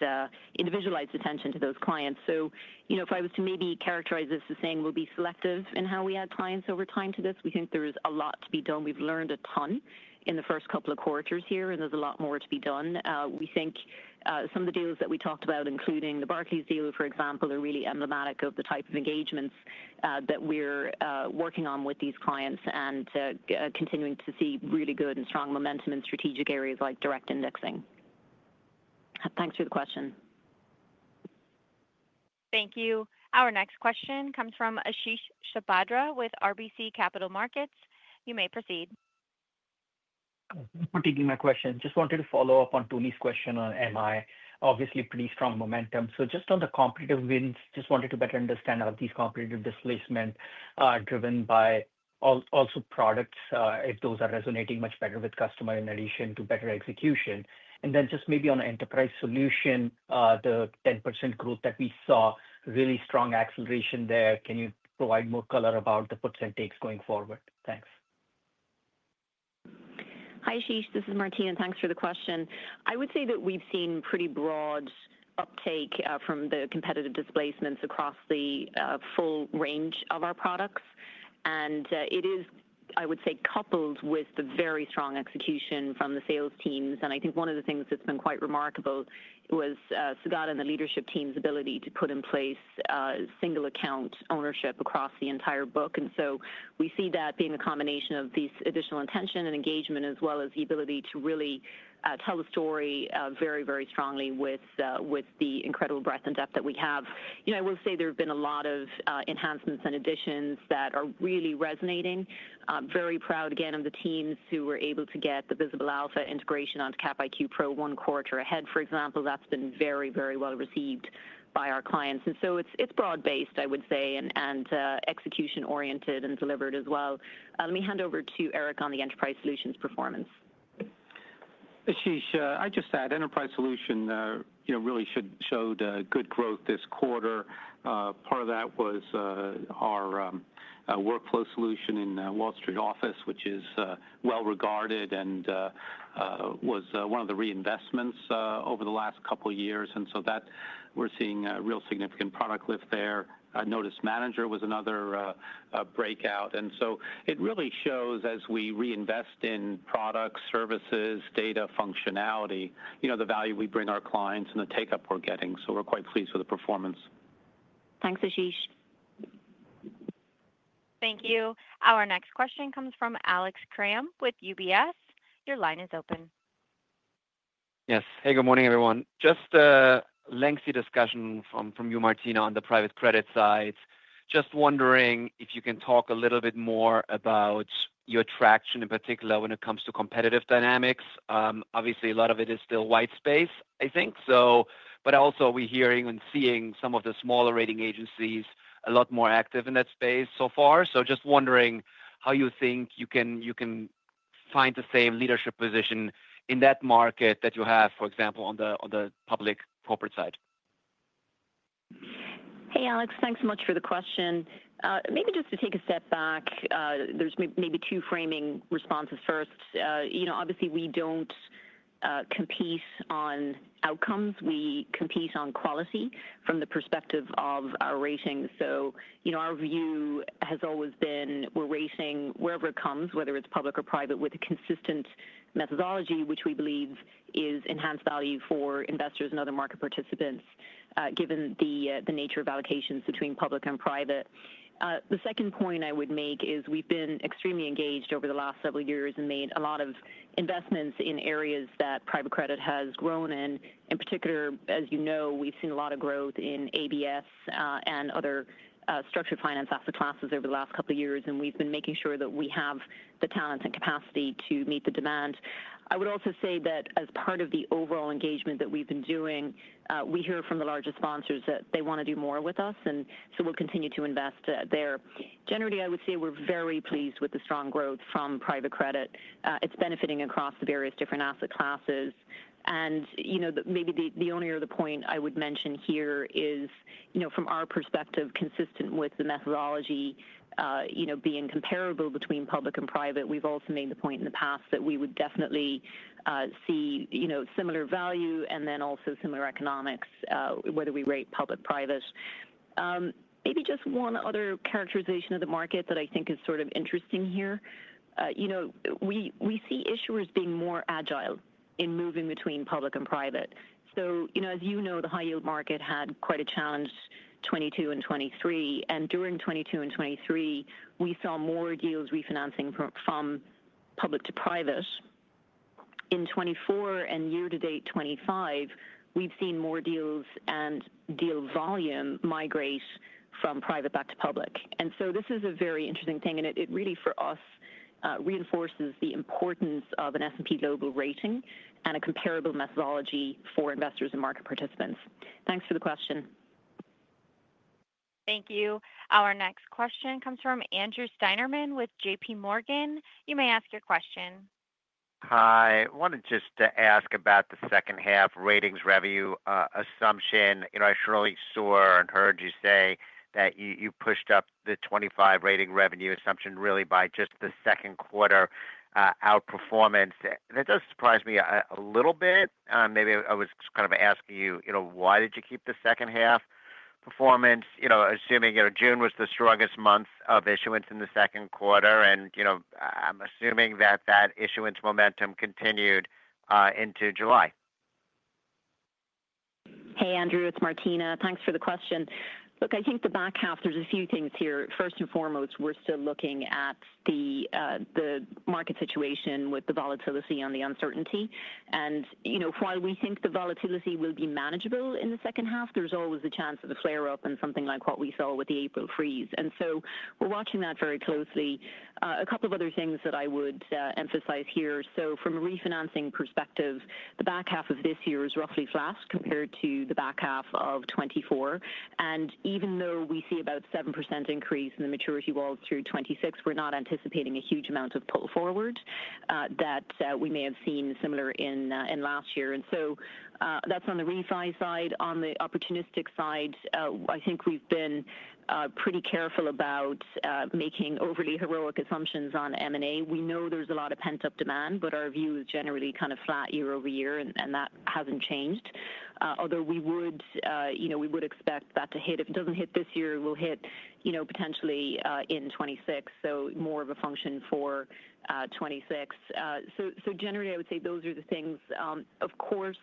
individualized attention to those clients. If I was to maybe characterize this as saying we'll be selective in how we add clients over time to this, we think there is a lot to be done. We've learned a ton in the first couple of quarters here and there's a lot more to be done. We think some of the deals that we talked about, including the Barclays deal for example, are really emblematic of the type of engagements that we're working on with these clients and continuing to see really good and strong momentum in strategic areas like direct indexing. Thanks for the question. Thank you. Our next question comes from Ashish Shabadra with RBC Capital Markets. You may proceed. Thanks for taking my question. Just wanted to follow up on Toni's question on MI, obviously pretty strong momentum. Just on the competitive wins, wanted to better understand how these competitive displacements are driven by products, if those are resonating much better with customers in addition to better execution. Maybe on Enterprise Solutions, the 10% growth that we saw, really strong acceleration there. Can you provide more color about the puts and takes going forward? Thanks. Hi Ashish, this is Martina. Thanks for the question. I would say that we've seen pretty broad uptake from the competitive displacements across the full range of our products. It is, I would say, coupled with the very strong execution from the sales teams. I think one of the things that's been quite remarkable was Saugata and the leadership team's ability to put in place single account ownership across the entire book. We see that being a combination of this additional attention and engagement as well as the ability to really tell the story very, very strongly with the incredible breadth and depth that we have. I will say there have been a lot of enhancements and additions that are really resonating. Very proud again of the teams who were able to get the Visible Alpha integration on Capital IQ Pro a quarter ahead, for example. That's been very, very well received by our clients. It's broad based, I would say, and execution oriented and delivered as well. Let me hand over to Eric on the Enterprise Solutions performance. Ashish, I just said Enterprise Solution really showed good growth this quarter. Part of that was our workflow solution in Wall Street Office, which is well regarded and was one of the reinvestments over the last couple years, and we're seeing real significant product lift there. Notice Manager was another breakout, and it really shows as we reinvest in products, services, data, functionality, you know, the value we bring our clients and the take up we're getting. We're quite flexible for the performance. Thanks Ashish. Thank you. Our next question comes from Alex Kramm with UBS. Your line is open. Yes. Good morning everyone. Just a lengthy discussion from you, Martina. On the private credit side, just wondering if you can talk a little bit more about your traction, in particular when it comes to competitive dynamics. Obviously, a lot of it is still white space, I think, but also we're hearing and seeing some of the smaller rating agents a lot more active in that space so far. Just wondering how you think you can find the same leadership position in that market that you have, for example, on the public corporate side. Hey Alex, thanks so much for the question. Maybe just to take a step back, there's maybe two framing responses. First, obviously we don't compete on outcomes, we compete on quality from the perspective of our ratings. Our view has always been we're rating wherever it comes, whether it's public or private, with a consistent methodology which we believe is enhanced value for investors and other market participants, given the nature of allocations between public and private. The second point I would make is we've been extremely engaged over the last several years and made a lot of investments in areas that private credit has grown in. In particular, as you know, we've seen a lot of growth in ABS and other structured finance asset classes over the last couple of years and we've been making sure that we have the talent and capacity to meet the demand. I would also say that as part of the overall engagement that we've been doing, we hear from the largest sponsors that they want to do more with us and we'll continue to invest there. Generally, I would say we're very pleased with the strong growth from private credit. It's benefiting across the various different asset classes. Maybe the only other point I would mention here is, from our perspective, consistent with the methodology, being comparable between public and private, we've also made the point in the past that we would definitely see similar value and then also similar economics, whether we rate public or private. Maybe just one other characterization of the market that I think is sort of interesting here. We see issuers being more agile in moving between public and private. As you know, the high yield market had quite a challenge in 2022 and 2023 and during 2022 and 2023 we saw more deals refinancing from public to private. In 2024 and year to date 2025, we've seen more deals and deal volume migrate from private back to public. This is a very interesting thing and it really for us reinforces the importance of an S&P Global rating and a comparable methodology for investors and market participants. Thanks for the question. Thank you. Our next question comes from Andrew Steinerman with JP Morgan. You may ask your question. Hi, I wanted just to ask about the second half ratings revenue assumption. I surely saw and heard you say that you pushed up the 2025 ratings revenue assumption really by just the second quarter outperformance. That does surprise me a little bit. Maybe I was kind of asking you why did you keep the second half performance assuming June was the strongest month of issuance in the second quarter? I'm assuming that that issuance momentum continued into July. Hey Andrew, it's Martina. Thanks for the question. I think the back half, there's a few things here. First and foremost, we're still looking at the market situation with the volatility and the uncertainty. While we think the volatility will be manageable in the second half, there's always a chance of a flare-up in something like what we saw with the April freeze, and we're watching that very closely. A couple of other things that I would emphasize here: from a refinancing perspective, the back half of this year is roughly flat compared to the back half of 2024. Even though we see about a 7% increase in the maturity walls through 2026, we're not anticipating a huge amount of pull forward that we may have seen similar in last year. That's on the refi side on the opportunistic side, I think we've been pretty careful about making overly heroic assumptions on M&A. We know there's a lot of pent-up demand, but our view is generally kind of flat year over year, and that hasn't changed. Although we would expect that to hit, if it doesn't hit this year, it will hit potentially in 2026, so more of a function for. Generally, I would say those are the things. Of course,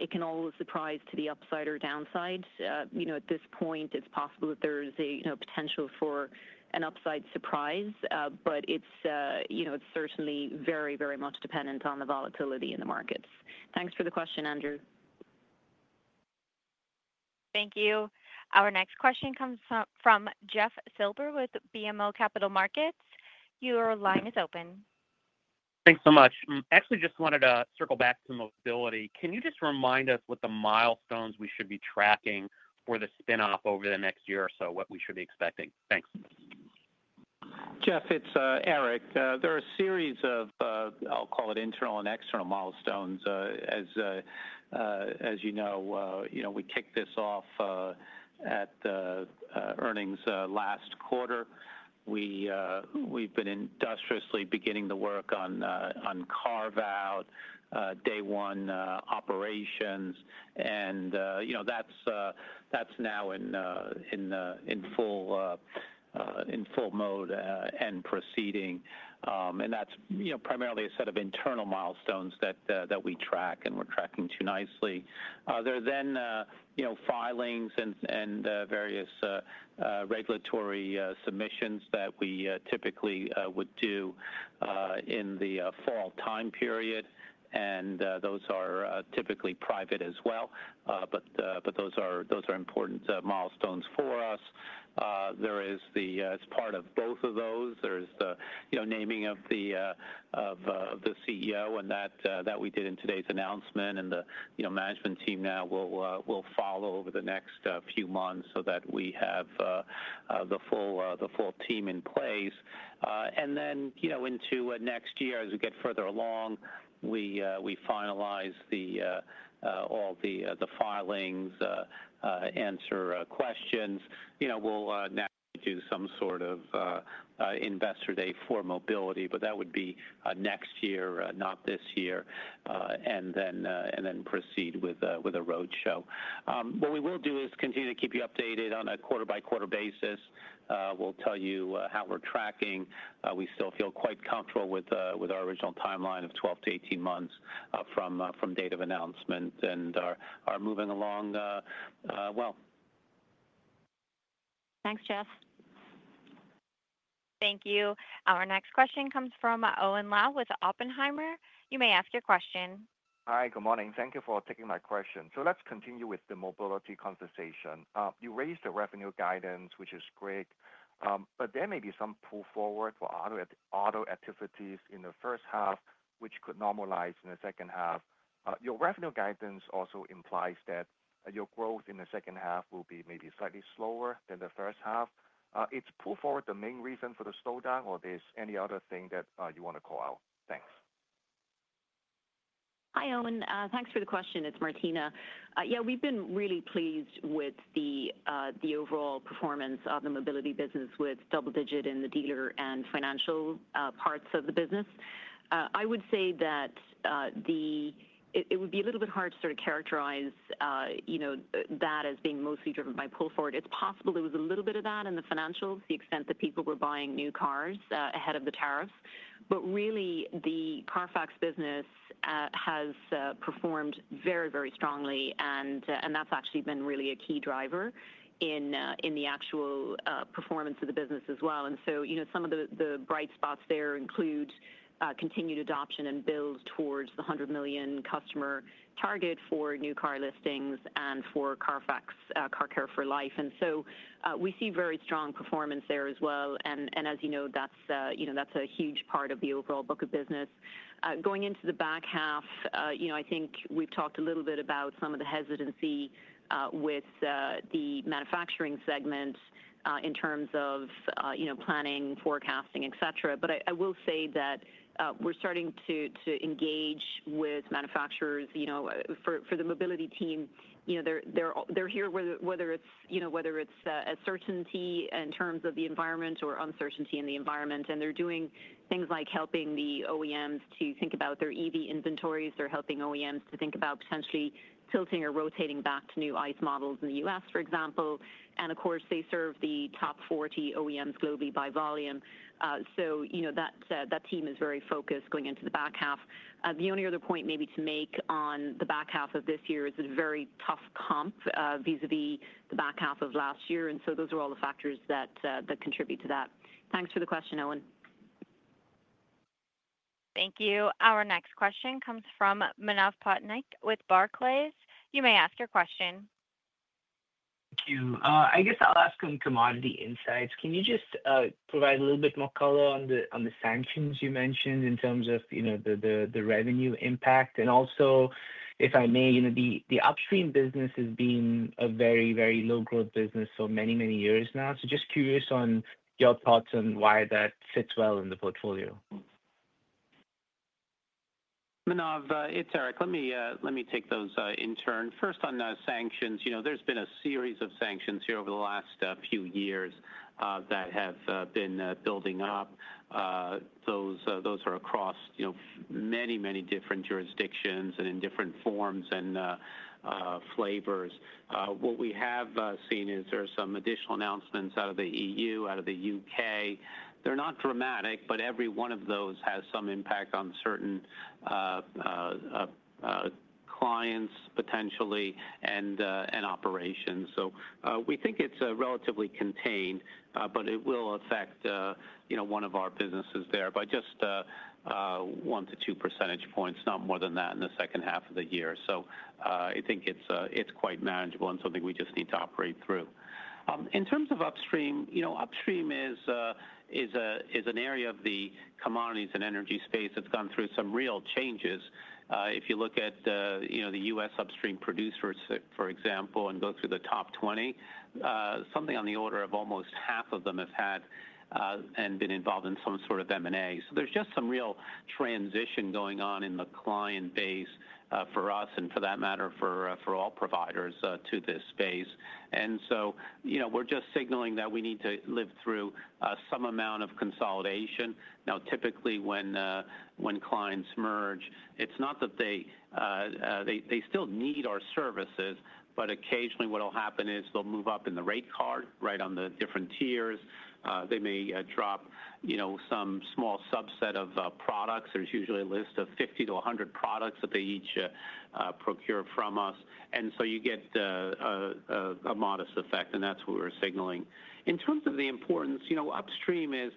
it can always surprise to the upside or downside. At this point, it's possible that there is a potential for an upside surprise, but it's certainly very, very much dependent on the volatility in the markets. Thanks for the question, Andrew. Thank you. Our next question comes from Jeff Silber with BMO Capital Markets. Your line is open. Thanks so much. Actually, just wanted to circle back to Mobility. Can you just remind us what the milestones we should be tracking for the spinoff over the next year or so, what we should be expecting. Thanks. Jeff. It's Eric. There are a series of, I'll call it internal and external milestones. As you know, we kicked this off at earnings last quarter. We've been industriously beginning the work on carve out day one operations and you know, that's now in full mode and proceeding. That's primarily a set of internal milestones that we track and we're tracking to nice. There are then filings and various regulatory submissions that we typically would do in the fall time period and those are typically private as well. Those are important milestones for us. As part of both of those, there is the naming of the CEO and that we did in today's announcement. The management team now will follow over the next few months so that we have the full team in place and then, you know, into next year, as we get further along. We finalize all the filings, answer questions, we'll do some sort of Investor Day for Mobility, but that would be next year, not this year, and then proceed with a roadshow. What we will do is continue to keep you updated on a quarter by quarter basis. We'll tell you how we're tracking. We still feel quite comfortable with our original timeline of 12 to 18 months from date of announcement and are moving along well. Thanks, Jeff. Thank you. Our next question comes from Owen Lau with Oppenheimer. You may ask your question. Hi, good morning. Thank you for taking my question. Let's continue with the Mobility conversation. You raised the revenue guidance, which is great, but there may be some pull forward for auto activities in the first half, which could normalize in the second half. Your revenue guidance also implies that your growth in the second half will be maybe slightly slower than the first half. Is pull forward the main reason for the slowdown, or is there any other thing that you want to call out? Thanks. Hi, Owen, thanks for the question. It's Martina. Yeah, we've been really pleased with the overall performance of the Mobility business, with double-digit in the dealer and financial parts of the business. I would say that it would be. A little bit hard to sort of characterize that as being mostly driven by pull forward. It's possible there was a little bit of that in the financial, to the extent that people were buying new cars ahead of the tariffs. The CARFAX business has performed very, very strongly, and that's actually been really a key driver in the actual performance of the business as well. Some of the bright spots there include continued adoption and build towards the 100 million customer target for new car listings and for CARFAX Car Care for Life. We see very strong performance there as well. As you know, that's a huge part of the overall book of business going into the back half. I think we've talked a little bit about some of the hesitancy with the manufacturing segment in terms of planning, forecasting, et cetera. I will say that we're starting to engage with manufacturers for. The Mobility team, you know, they're there -- whether it's a certainty in terms of the environment or uncertainty in the environment, they're doing things like helping the OEMs to think about their inventories, they're helping OEMs to think about potentially tilting or rotating back to new ICE models in the U.S. for example. Of course, they serve the top 40 OEMs globally by volume. That team is very focused going into the back half. The only other point to make on the back half of this year is a very tough comp vis-à-vis the back half of last year. Those are all the factors that contribute to that. Thanks for the question, Owen. Thank you. Our next question comes from Manav Patnaik with Barclays. You may ask your question. Thank you. I guess I'll ask on Commodity Insights, can you just provide a little bit more color on the sanctions you mentioned in terms of the revenue impact? Also, if I may, the Upstream business has been a very, very low growth business for many, many years now. Just curious on your thoughts on why that fits well in the portfolio. Manav, it's Eric. Let me take those in turn. First on sanctions. There's been a series of sanctions here over the last few years that have been building up. Those are across many different jurisdictions and in different forms and flavors. What we have seen is there are some additional announcements out of the EU, out of the U.K.. They're not dramatic, but every one of those has some impact on certain clients potentially and operations. We think it's relatively contained, but it will affect one of our businesses there by just 1% to 2%, not more than that in the second half of the year. I think it's quite manageable and something we just need to operate through. In terms of Upstream, Upstream is an area of the commodities and energy space that's gone through some real changes. If you look at the U.S. upstream producers, for example, and go through the top 20, something on the order of almost half of them have had and been involved in some sort of M&A. There's just some real transition going on in the client base for us and for that matter for all providers to this space. We're just signaling that we need to live through some amount of consolidation now. Typically, when clients merge, it's not that they still need our services, but occasionally what will happen is they'll move up in the rate card, right on the different tiers. They may drop some small subset of products. There's usually a list of 50 to 100 products that they each procure from us, and you get a modest effect. That's what we're signaling. In terms of the important, Upstream is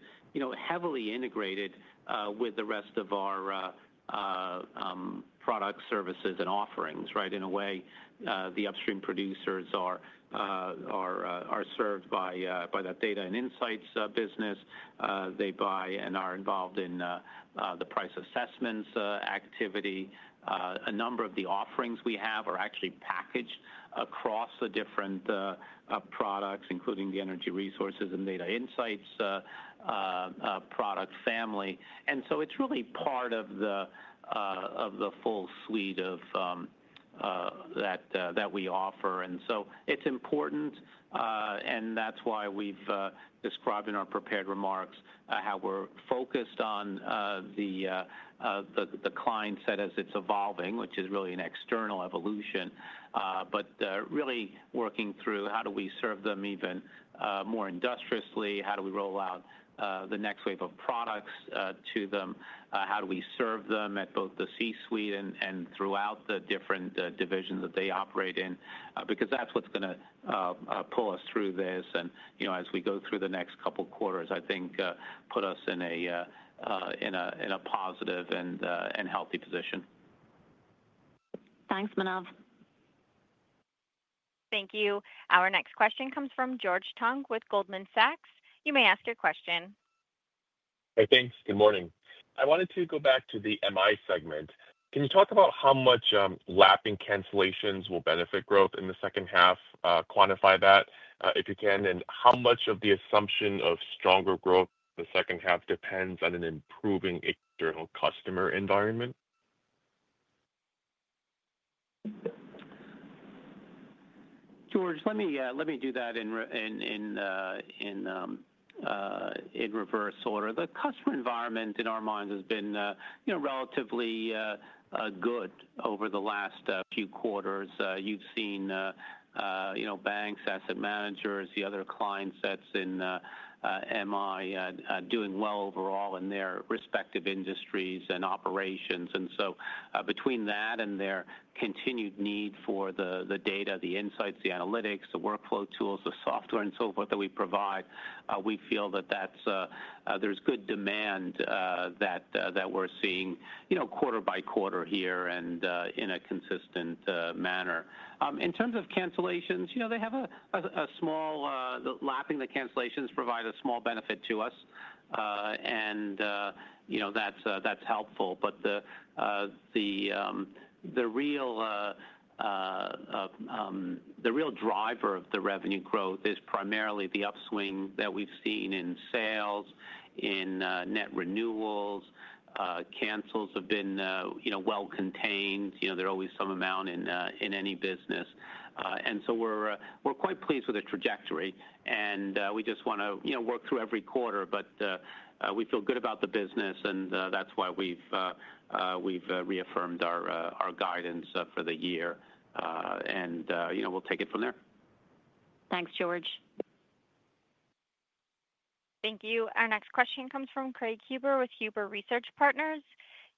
heavily integrated with the rest of our products, services, and offerings. In a way, the upstream producers are served by that data and insights business. They buy and are involved in the price assessments activity. A number of the offerings we have are actually packaged across the different products, including the energy, resources, and data insights product family. It's really part of the full suite that we offer, and it's important. That's why we've described in our prepared remarks how we're focused on the client set as it's evolving, which is really an external evolution, but really working through how do we serve them even more industriously, how do we roll out the next wave of products to them, how do we serve them at both the C-suite and throughout the different divisions that they operate in. That's what's going to pull us through this and, as we go through the next couple quarters, I think put us in a positive and healthy position. Thanks, Manav. Thank you. Our next question comes from George Tong with Goldman Sachs. You may ask your question. Hey, thanks. Good morning. I wanted to go back to the MI segment. Can you talk about how much lapping cancellations will benefit growth in the second half. Quantify that if you can, and how much of the assumption of stronger growth the second half depends on an improving external customer environment? George, let me do that in reverse order. The customer environment in our minds has been relatively good over the last few quarters. You've seen banks, asset managers, the other client sets in MI doing well overall in their respective industries and operations. Between that and their continued need for the data, the insights, the analytics, the workflow tools, the software and so forth that we provide, we feel that there's good demand that we're seeing quarter by quarter here and in a consistent manner. In terms of cancellations, they have a small lapping, the cancellations provide a small benefit to us and that's helpful. The real driver of the revenue growth is primarily the upswing that we've seen in sales in net renewals. Cancels have been well contained. There are always some amount in any business. We're quite pleased with the trajectory and we just want to work through every quarter. We feel good about the business and that's why we've reaffirmed our guidance for the year and we'll take it from there. Thanks, George. Thank you. Our next question comes from Craig Huber with Huber Research Partners.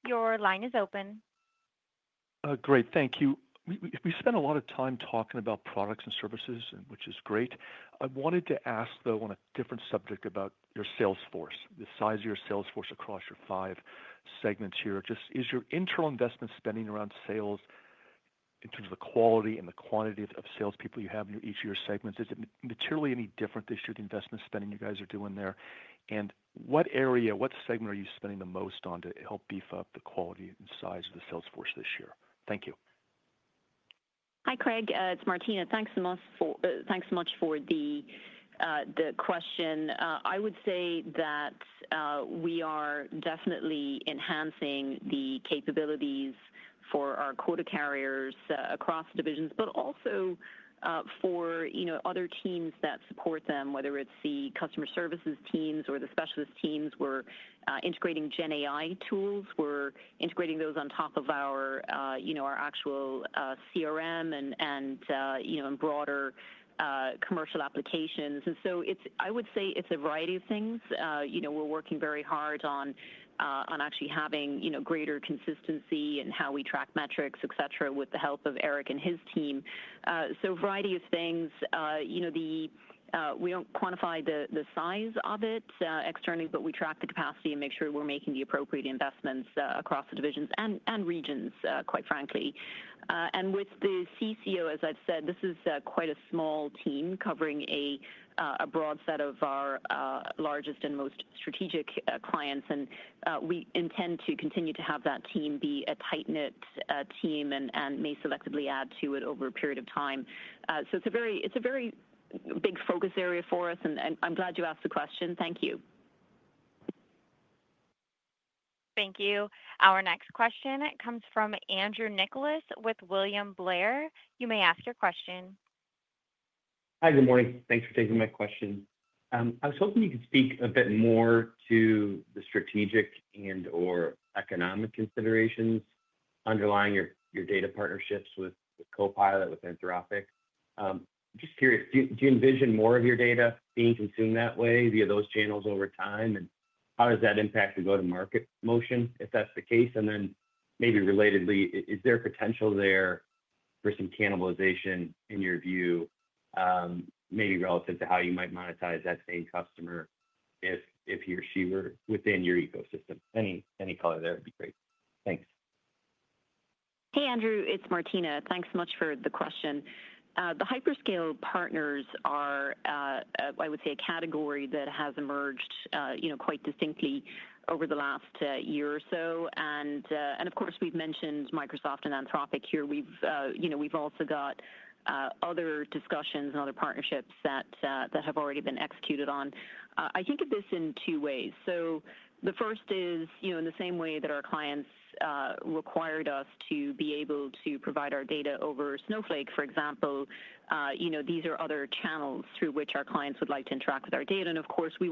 Your line is open. Great, thank you. We spent a lot of time talking about products and services, which is great. I wanted to ask though on a different subject about your sales force, the size of your sales force across your five segments. Is your internal investment spending around sales in terms of the quality and the quantity of sales people you have in each of your segments materially any different this year? The investment spending you guys are doing there and what area, what segment are you spending the most on to help beef up the quality and size of the sales force this year? Thank you. Hi Craig, it's Martina. Thanks so much for the question. I would say that we are definitely enhancing the capabilities for our quota carriers across divisions, but also for other teams that support them, whether it's the customer services teams or the specialist teams. We're integrating GenAI tools, we're integrating those on top of our actual CRM and broader commercial applications. I would say it's a variety of things. We're working very hard on actually having greater consistency in how we track metrics, et cetera, with the help of Eric and his team. We don't quantify the size of it externally, but we track the capacity and make sure we're making the appropriate investments across the divisions and regions, quite frankly. With the CCO, as I've said, this is quite a small team covering a broad set of our largest and most strategic clients, and we intend to continue to have that team be a tight-knit team and may selectively add to it over a period of time. It's a very big focus area for us and I'm glad you asked the question. Thank you. Thank you. Our next question comes from Andrew Nicholas with William Blair. You may ask your question. Hi, good morning. Thanks for taking my question. I was hoping you could speak a bit more to the strategic and or economic considerations underlying your data partnerships with Copilot with Anthropic. Just curious, do you envision more of your data being consumed that way via those channels over time, and how does that impact the go to market motion if that's the case? Maybe relatedly, is there potential there for some cannibalization in your view, maybe relative to how you might monetize that same customer, if he or she were within your ecosystem? Any color there would be great. Thanks. Hey Andrew, it's Martina. Thanks so much for the question. The Hyperscale partners are, I would say, a category that has emerged quite distinctly over the last year or so. Of course we've mentioned Microsoft and Anthropic here. We've also got other discussions and other partnerships that have already been executed on. I think of this in two ways. The first is in the same way that our clients required us to be able to provide our data over Snowflake, for example, these are other channels through which our clients would like to interact with our data. Of course we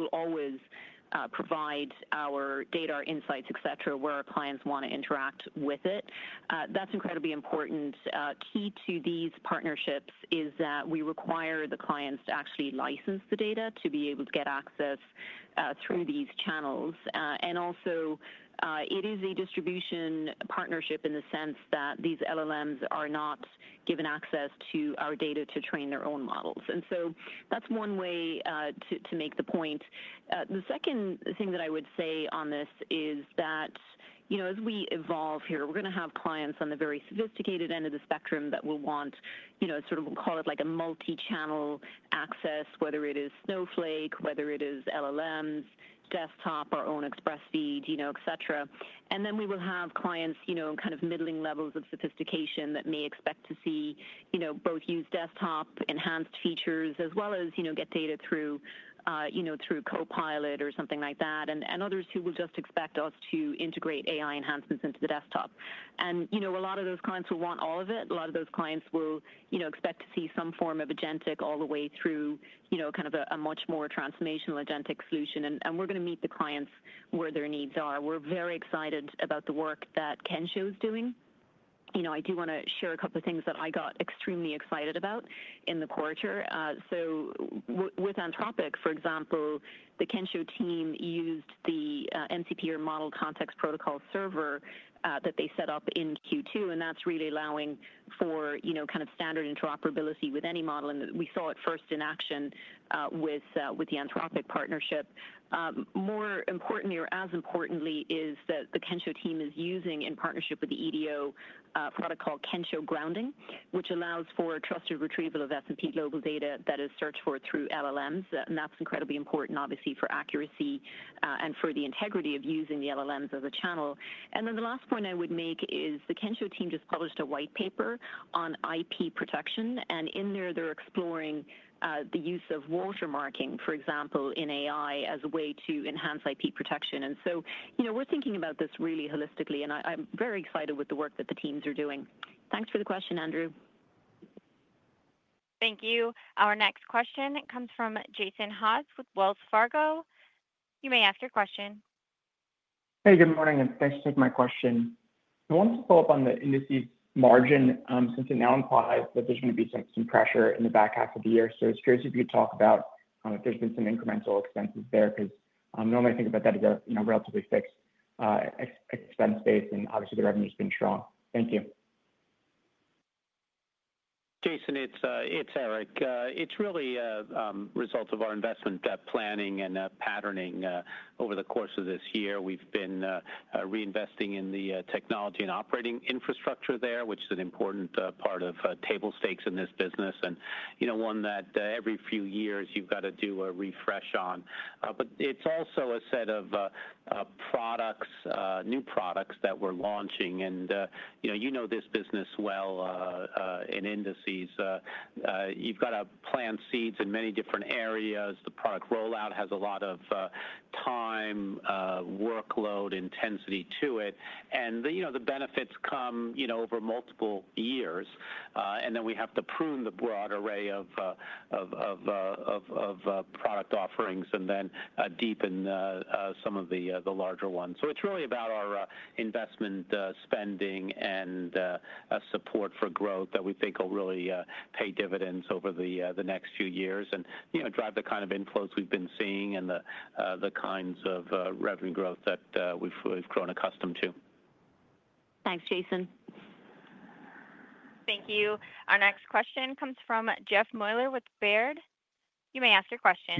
will always provide our data, our insights, etc., where our clients want to interact with it. That's incredibly important. Key to these partnerships is that we require the clients to actually license the data to be able to get access through these channels. Also, it is a distribution partnership in the sense that these LLMs are not given access to our data to train their own models. That's one way to make the point. The second thing that I would say on this is that as we evolve here, we're going to have clients on the very sophisticated end of the spectrum that will want, you know, sort of call it like a multi channel access, whether it is Snowflake, whether it is LLMs desktop, our own express feed, et cetera. We will have clients, you know, kind of middling levels of sophistication that may expect to see both use desktop enhanced features as well as get data through, you know, through Copilot or something like that, and others who will just expect us to integrate AI enhancements into the desktop. A lot of those clients will want all of it. A lot of those clients will expect to see some form of agentic all the way through kind of a much more transformational agentic solution. We're going to meet the clients where their needs are. We're very excited about the work that Kensho is doing. I do want to share a couple of things that I got extremely excited about in the quarter. With Anthropic, for example, the Kensho team used the Model Context Protocol server that they set up in Q2. That's really allowing for kind of standard interoperability with any model. We saw it first in action with the Anthropic partnership. More importantly, or as importantly, is that the Kensho team is using in partnership with the EDO product called Kensho Grounding, which allows for trusted retrieval of S&P Global data that is searched for through LLMs. That's incredibly important, obviously, for accuracy and for the integrity of using the LLMs as a channel. The last point I would make is the Kensho team just published a white paper on IP protection, and in there they're exploring the use of watermarking, for example, in AI as a way to enhance IP protection. We're thinking about this really holistically and I'm very excited with the work that the teams are doing. Thanks for the question, Andrew. Thank you. Our next question comes from Jason Haas with Wells Fargo. You may ask your question. Hey, good morning and thanks for taking my question. I wanted to follow up on the indices margin since it now implies that there's going to be some pressure in the back half of the year. I was curious if you could talk about there's been some incremental expenses there because normally I think about that as a relatively fixed expense base, and obviously the revenue has been strong. Thank you. Jason, it's Eric. It's really a result of our investment planning and patterning over the course of this year. We've been reinvesting in the technology and operating infrastructure there, which is an important part of table stakes in this business. One that every few years you've got to do a refresh on. It's also a set of products, new products that we're launching. You know this business well in Indices, you've got to plant seeds in many different areas. The product rollout has a lot of time, workload, intensity to it, and the benefits come over multiple years. We have to prune the broad array of product offerings and then deepen some of the larger ones. It's really about our investment spending and support for growth that we think will really pay dividends over the next few years and drive the kind of inflows we've been seeing and the kinds of revenue growth that we've grown accustomed to. Thanks, Jason. Thank you. Our next question comes from Jeff Meuler with Baird. You may ask your question.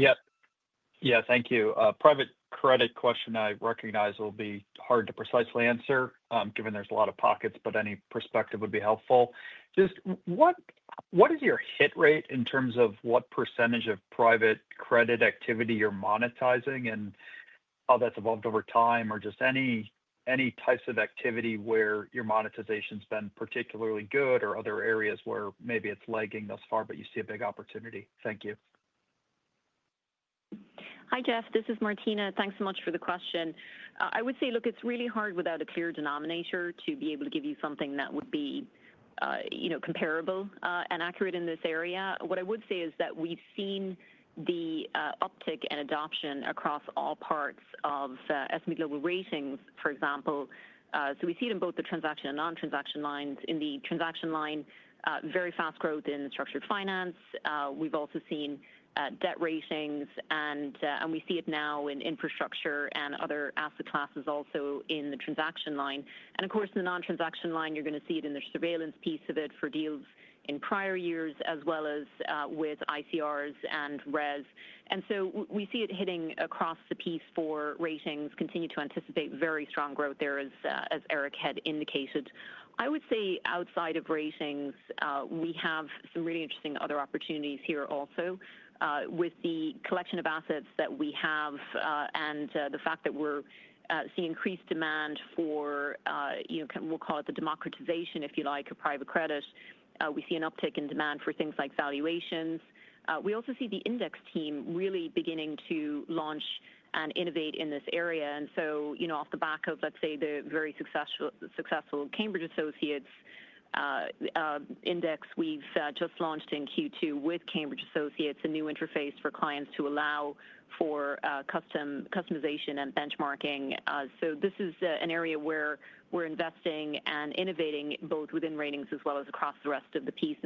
Thank you. Private credit question I recognize will be hard to precisely answer given there's a lot of pockets. Any perspective would be helpful. What is your hit rate in terms of what percentage of private credit activity you're monetizing and how that's evolved over time or any types of activity where your monetization has been particularly good or other areas where maybe it's lagging thus far, but you see a big opportunity. Thank you. Hi Jeff, this is Martina. Thanks so much for the question. I would say, look, it's really hard without a clear denominator to be able to give you something that would be comparable and accurate in this area. What I would say is that we've seen the uptick and adoption across all parts of S&P Global Ratings, for example. We see it in both the transaction and non-transaction lines. In the transaction line, very fast growth in Structured Finance. We've also seen debt ratings, and we see it now in infrastructure and other asset classes also in the transaction line and of course the non-transaction line. You're going to see it in their surveillance piece of it for deals in prior years as well as with ICRs and res. We see it hitting across the piece for ratings. Continue to anticipate very strong growth there, as Eric had indicated. I would say outside of ratings, we have some really interesting other opportunities here also with the collection of assets that we have and the fact that we're seeing increased demand for, you know, we'll call it the democratization, if you like, of private credit. We see an uptick in demand for things like valuations. We also see the index team really beginning to launch and innovate in this area. Off the back of, let's say, the very successful Cambridge Associates Index we've just launched in Q2 with Cambridge Associates, a new interface for clients to allow for customization and benchmarking. This is an area where we're investing and innovating both within ratings as well as across the rest of the piece.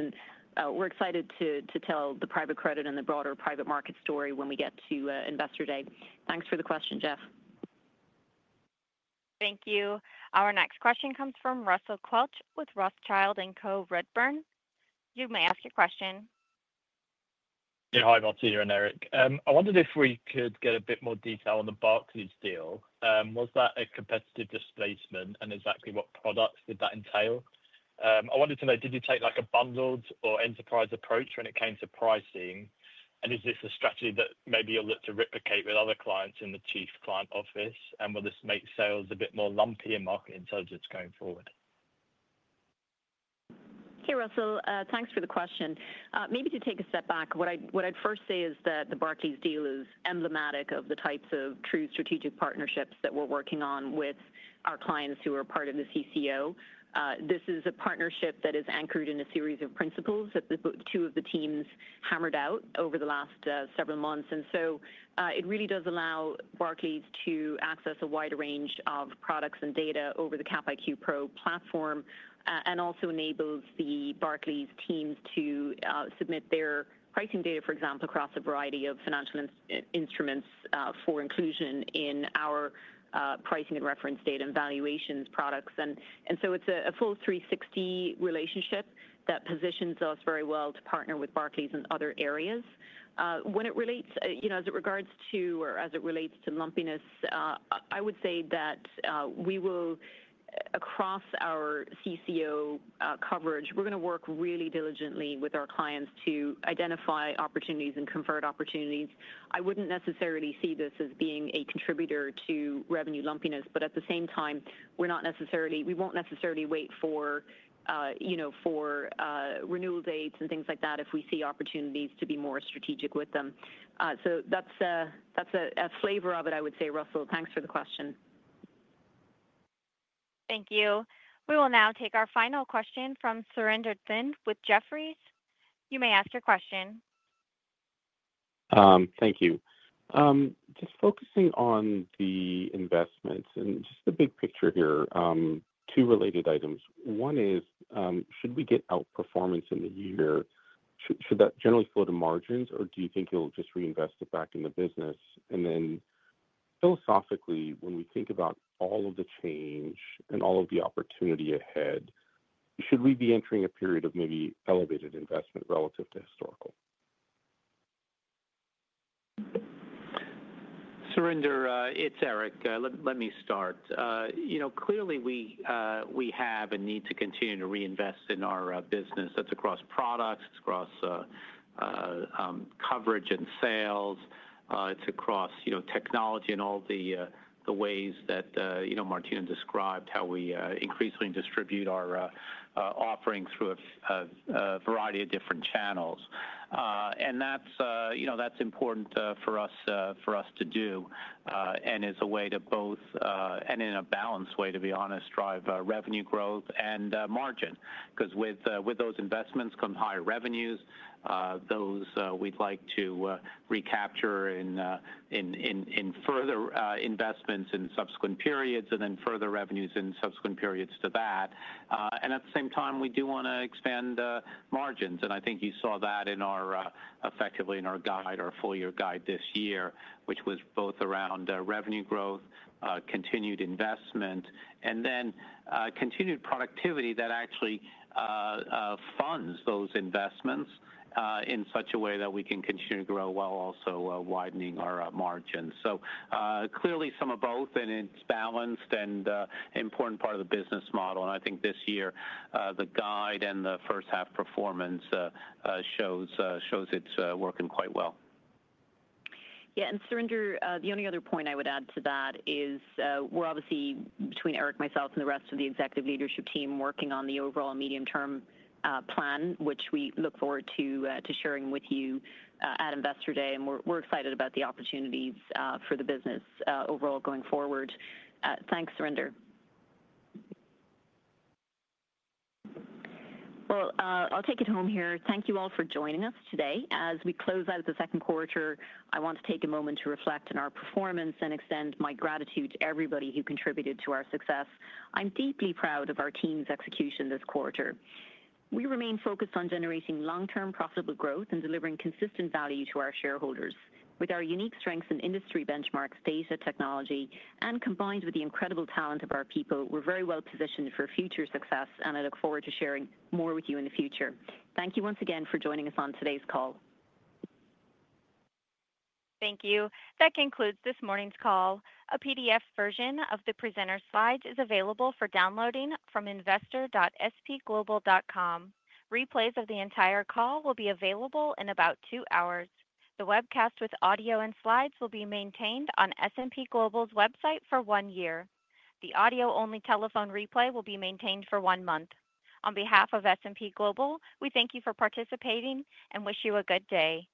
We're excited to tell the private credit and the broader private market story when we get to Investor Day. Thanks for the question, Jeff. Thank you. Our next question comes from Russell Quelch with Rothschild & Co. Redburn. You may ask your question. Yeah. Hi, Martina and Eric. I wondered if we could get a bit more detail on the Barclays deal. Was that a competitive displacement, and exactly what products did that entail? I wanted to know, did you take like a bundled or enterprise approach when it came to pricing, and is this a strategy that maybe you'll look to replicate with other clients in the Chief Client Office? Will this make sales a bit more lumpy in Market Intelligence going forward? Hey, Russell, thanks for the question. Maybe to take a step back. What I'd first say is that the Barclays deal is emblematic of the types of true strategic partnerships that we're working on with our clients who are part of the CCO. This is a partnership that is anchored in a series of principles that two of the teams hammered out over the last several months. It really does allow Barclays to access a wide range of products and data over the Capital IQ Pro platform and also enables the Barclays teams to submit their pricing data, for example, across a variety of financial instruments for inclusion in our pricing and reference data and valuations products. It's a full 360 relationship that positions us very well to partner with Barclays in other areas. As it relates to lumpiness, I would say that across our CCO coverage, we're going to work really diligently with our clients to identify opportunities and convert opportunities. I wouldn't necessarily see this as being a contributor to revenue lumpiness, but at the same time, we won't necessarily wait for renewal dates and things like that if we see opportunities to be more strategic with them. That's a flavor of it, I would say. Russell, thanks for the question. Thank you. We will now take our final question from Surinder Thind with Jefferies. You may ask your question. Thank you. Just focusing on the investments and just the big picture here. Two related items. One is should we get outperformance in the year? Should that generally flow to margins or do you think you'll just reinvest it. Back in the business? Philosophically, when we think about all of the change and all of the opportunity ahead, should we be entering a period of maybe elevated investment relative to historical? Surinder, it's Eric, let me start. We have a need to continue to reinvest in our business. That's across products, it's across coverage and sales, it's across technology and all the ways that Martina described how we increasingly distribute our offering through a variety of different channels. That's important for us to do and is a way to both, in a balanced way, to be honest, drive revenue growth and margin. With those investments come higher revenues, those we'd like to recapture in further investments in subsequent periods and then further revenues in subsequent periods to that. At the same time we do want to expand market and I think you saw that effectively in our guide, our full-year guide this year which was both around revenue growth, continued investment and then continued productivity that actually funds those investments in such a way that we can continue to grow while also widening our margins. Clearly some of both and it's a balanced and important part of the business model and I think this year the guide and the first half performance shows it's working quite well. Yeah. Surinder, the only other point I would add to that is we're obviously, between Eric, myself, and the rest of the executive leadership team, working on the overall medium term plan, which we look forward to sharing with you at Investor Day, and we're excited about the opportunities for the business overall going forward. Thanks, Surinder. I'll take it home here. Thank you all for joining us today. As we close out the second quarter, I want to take a moment to reflect on our performance and extend my gratitude to everybody who contributed to our success. I'm deeply proud of our team's execution this quarter. We remain focused on generating long term profitable growth and delivering consistent value to our shareholders. With our unique strengths in industry, benchmarks, data, technology, and combined with the incredible talent of our people, we're very well positioned for future success and I look forward to sharing more with you in the future. Thank you once again for joining us on today's call. Thank you. That concludes this morning's call. A PDF version of the presenter's slides is available for downloading from investor.spglobal.com. Replays of the entire call will be available in about two hours. The webcast with audio and slides will be maintained on S&P Global's website for one year. The audio-only telephone replay will be maintained for one month. On behalf of S&P Global, we thank you for participating and wish you a good day.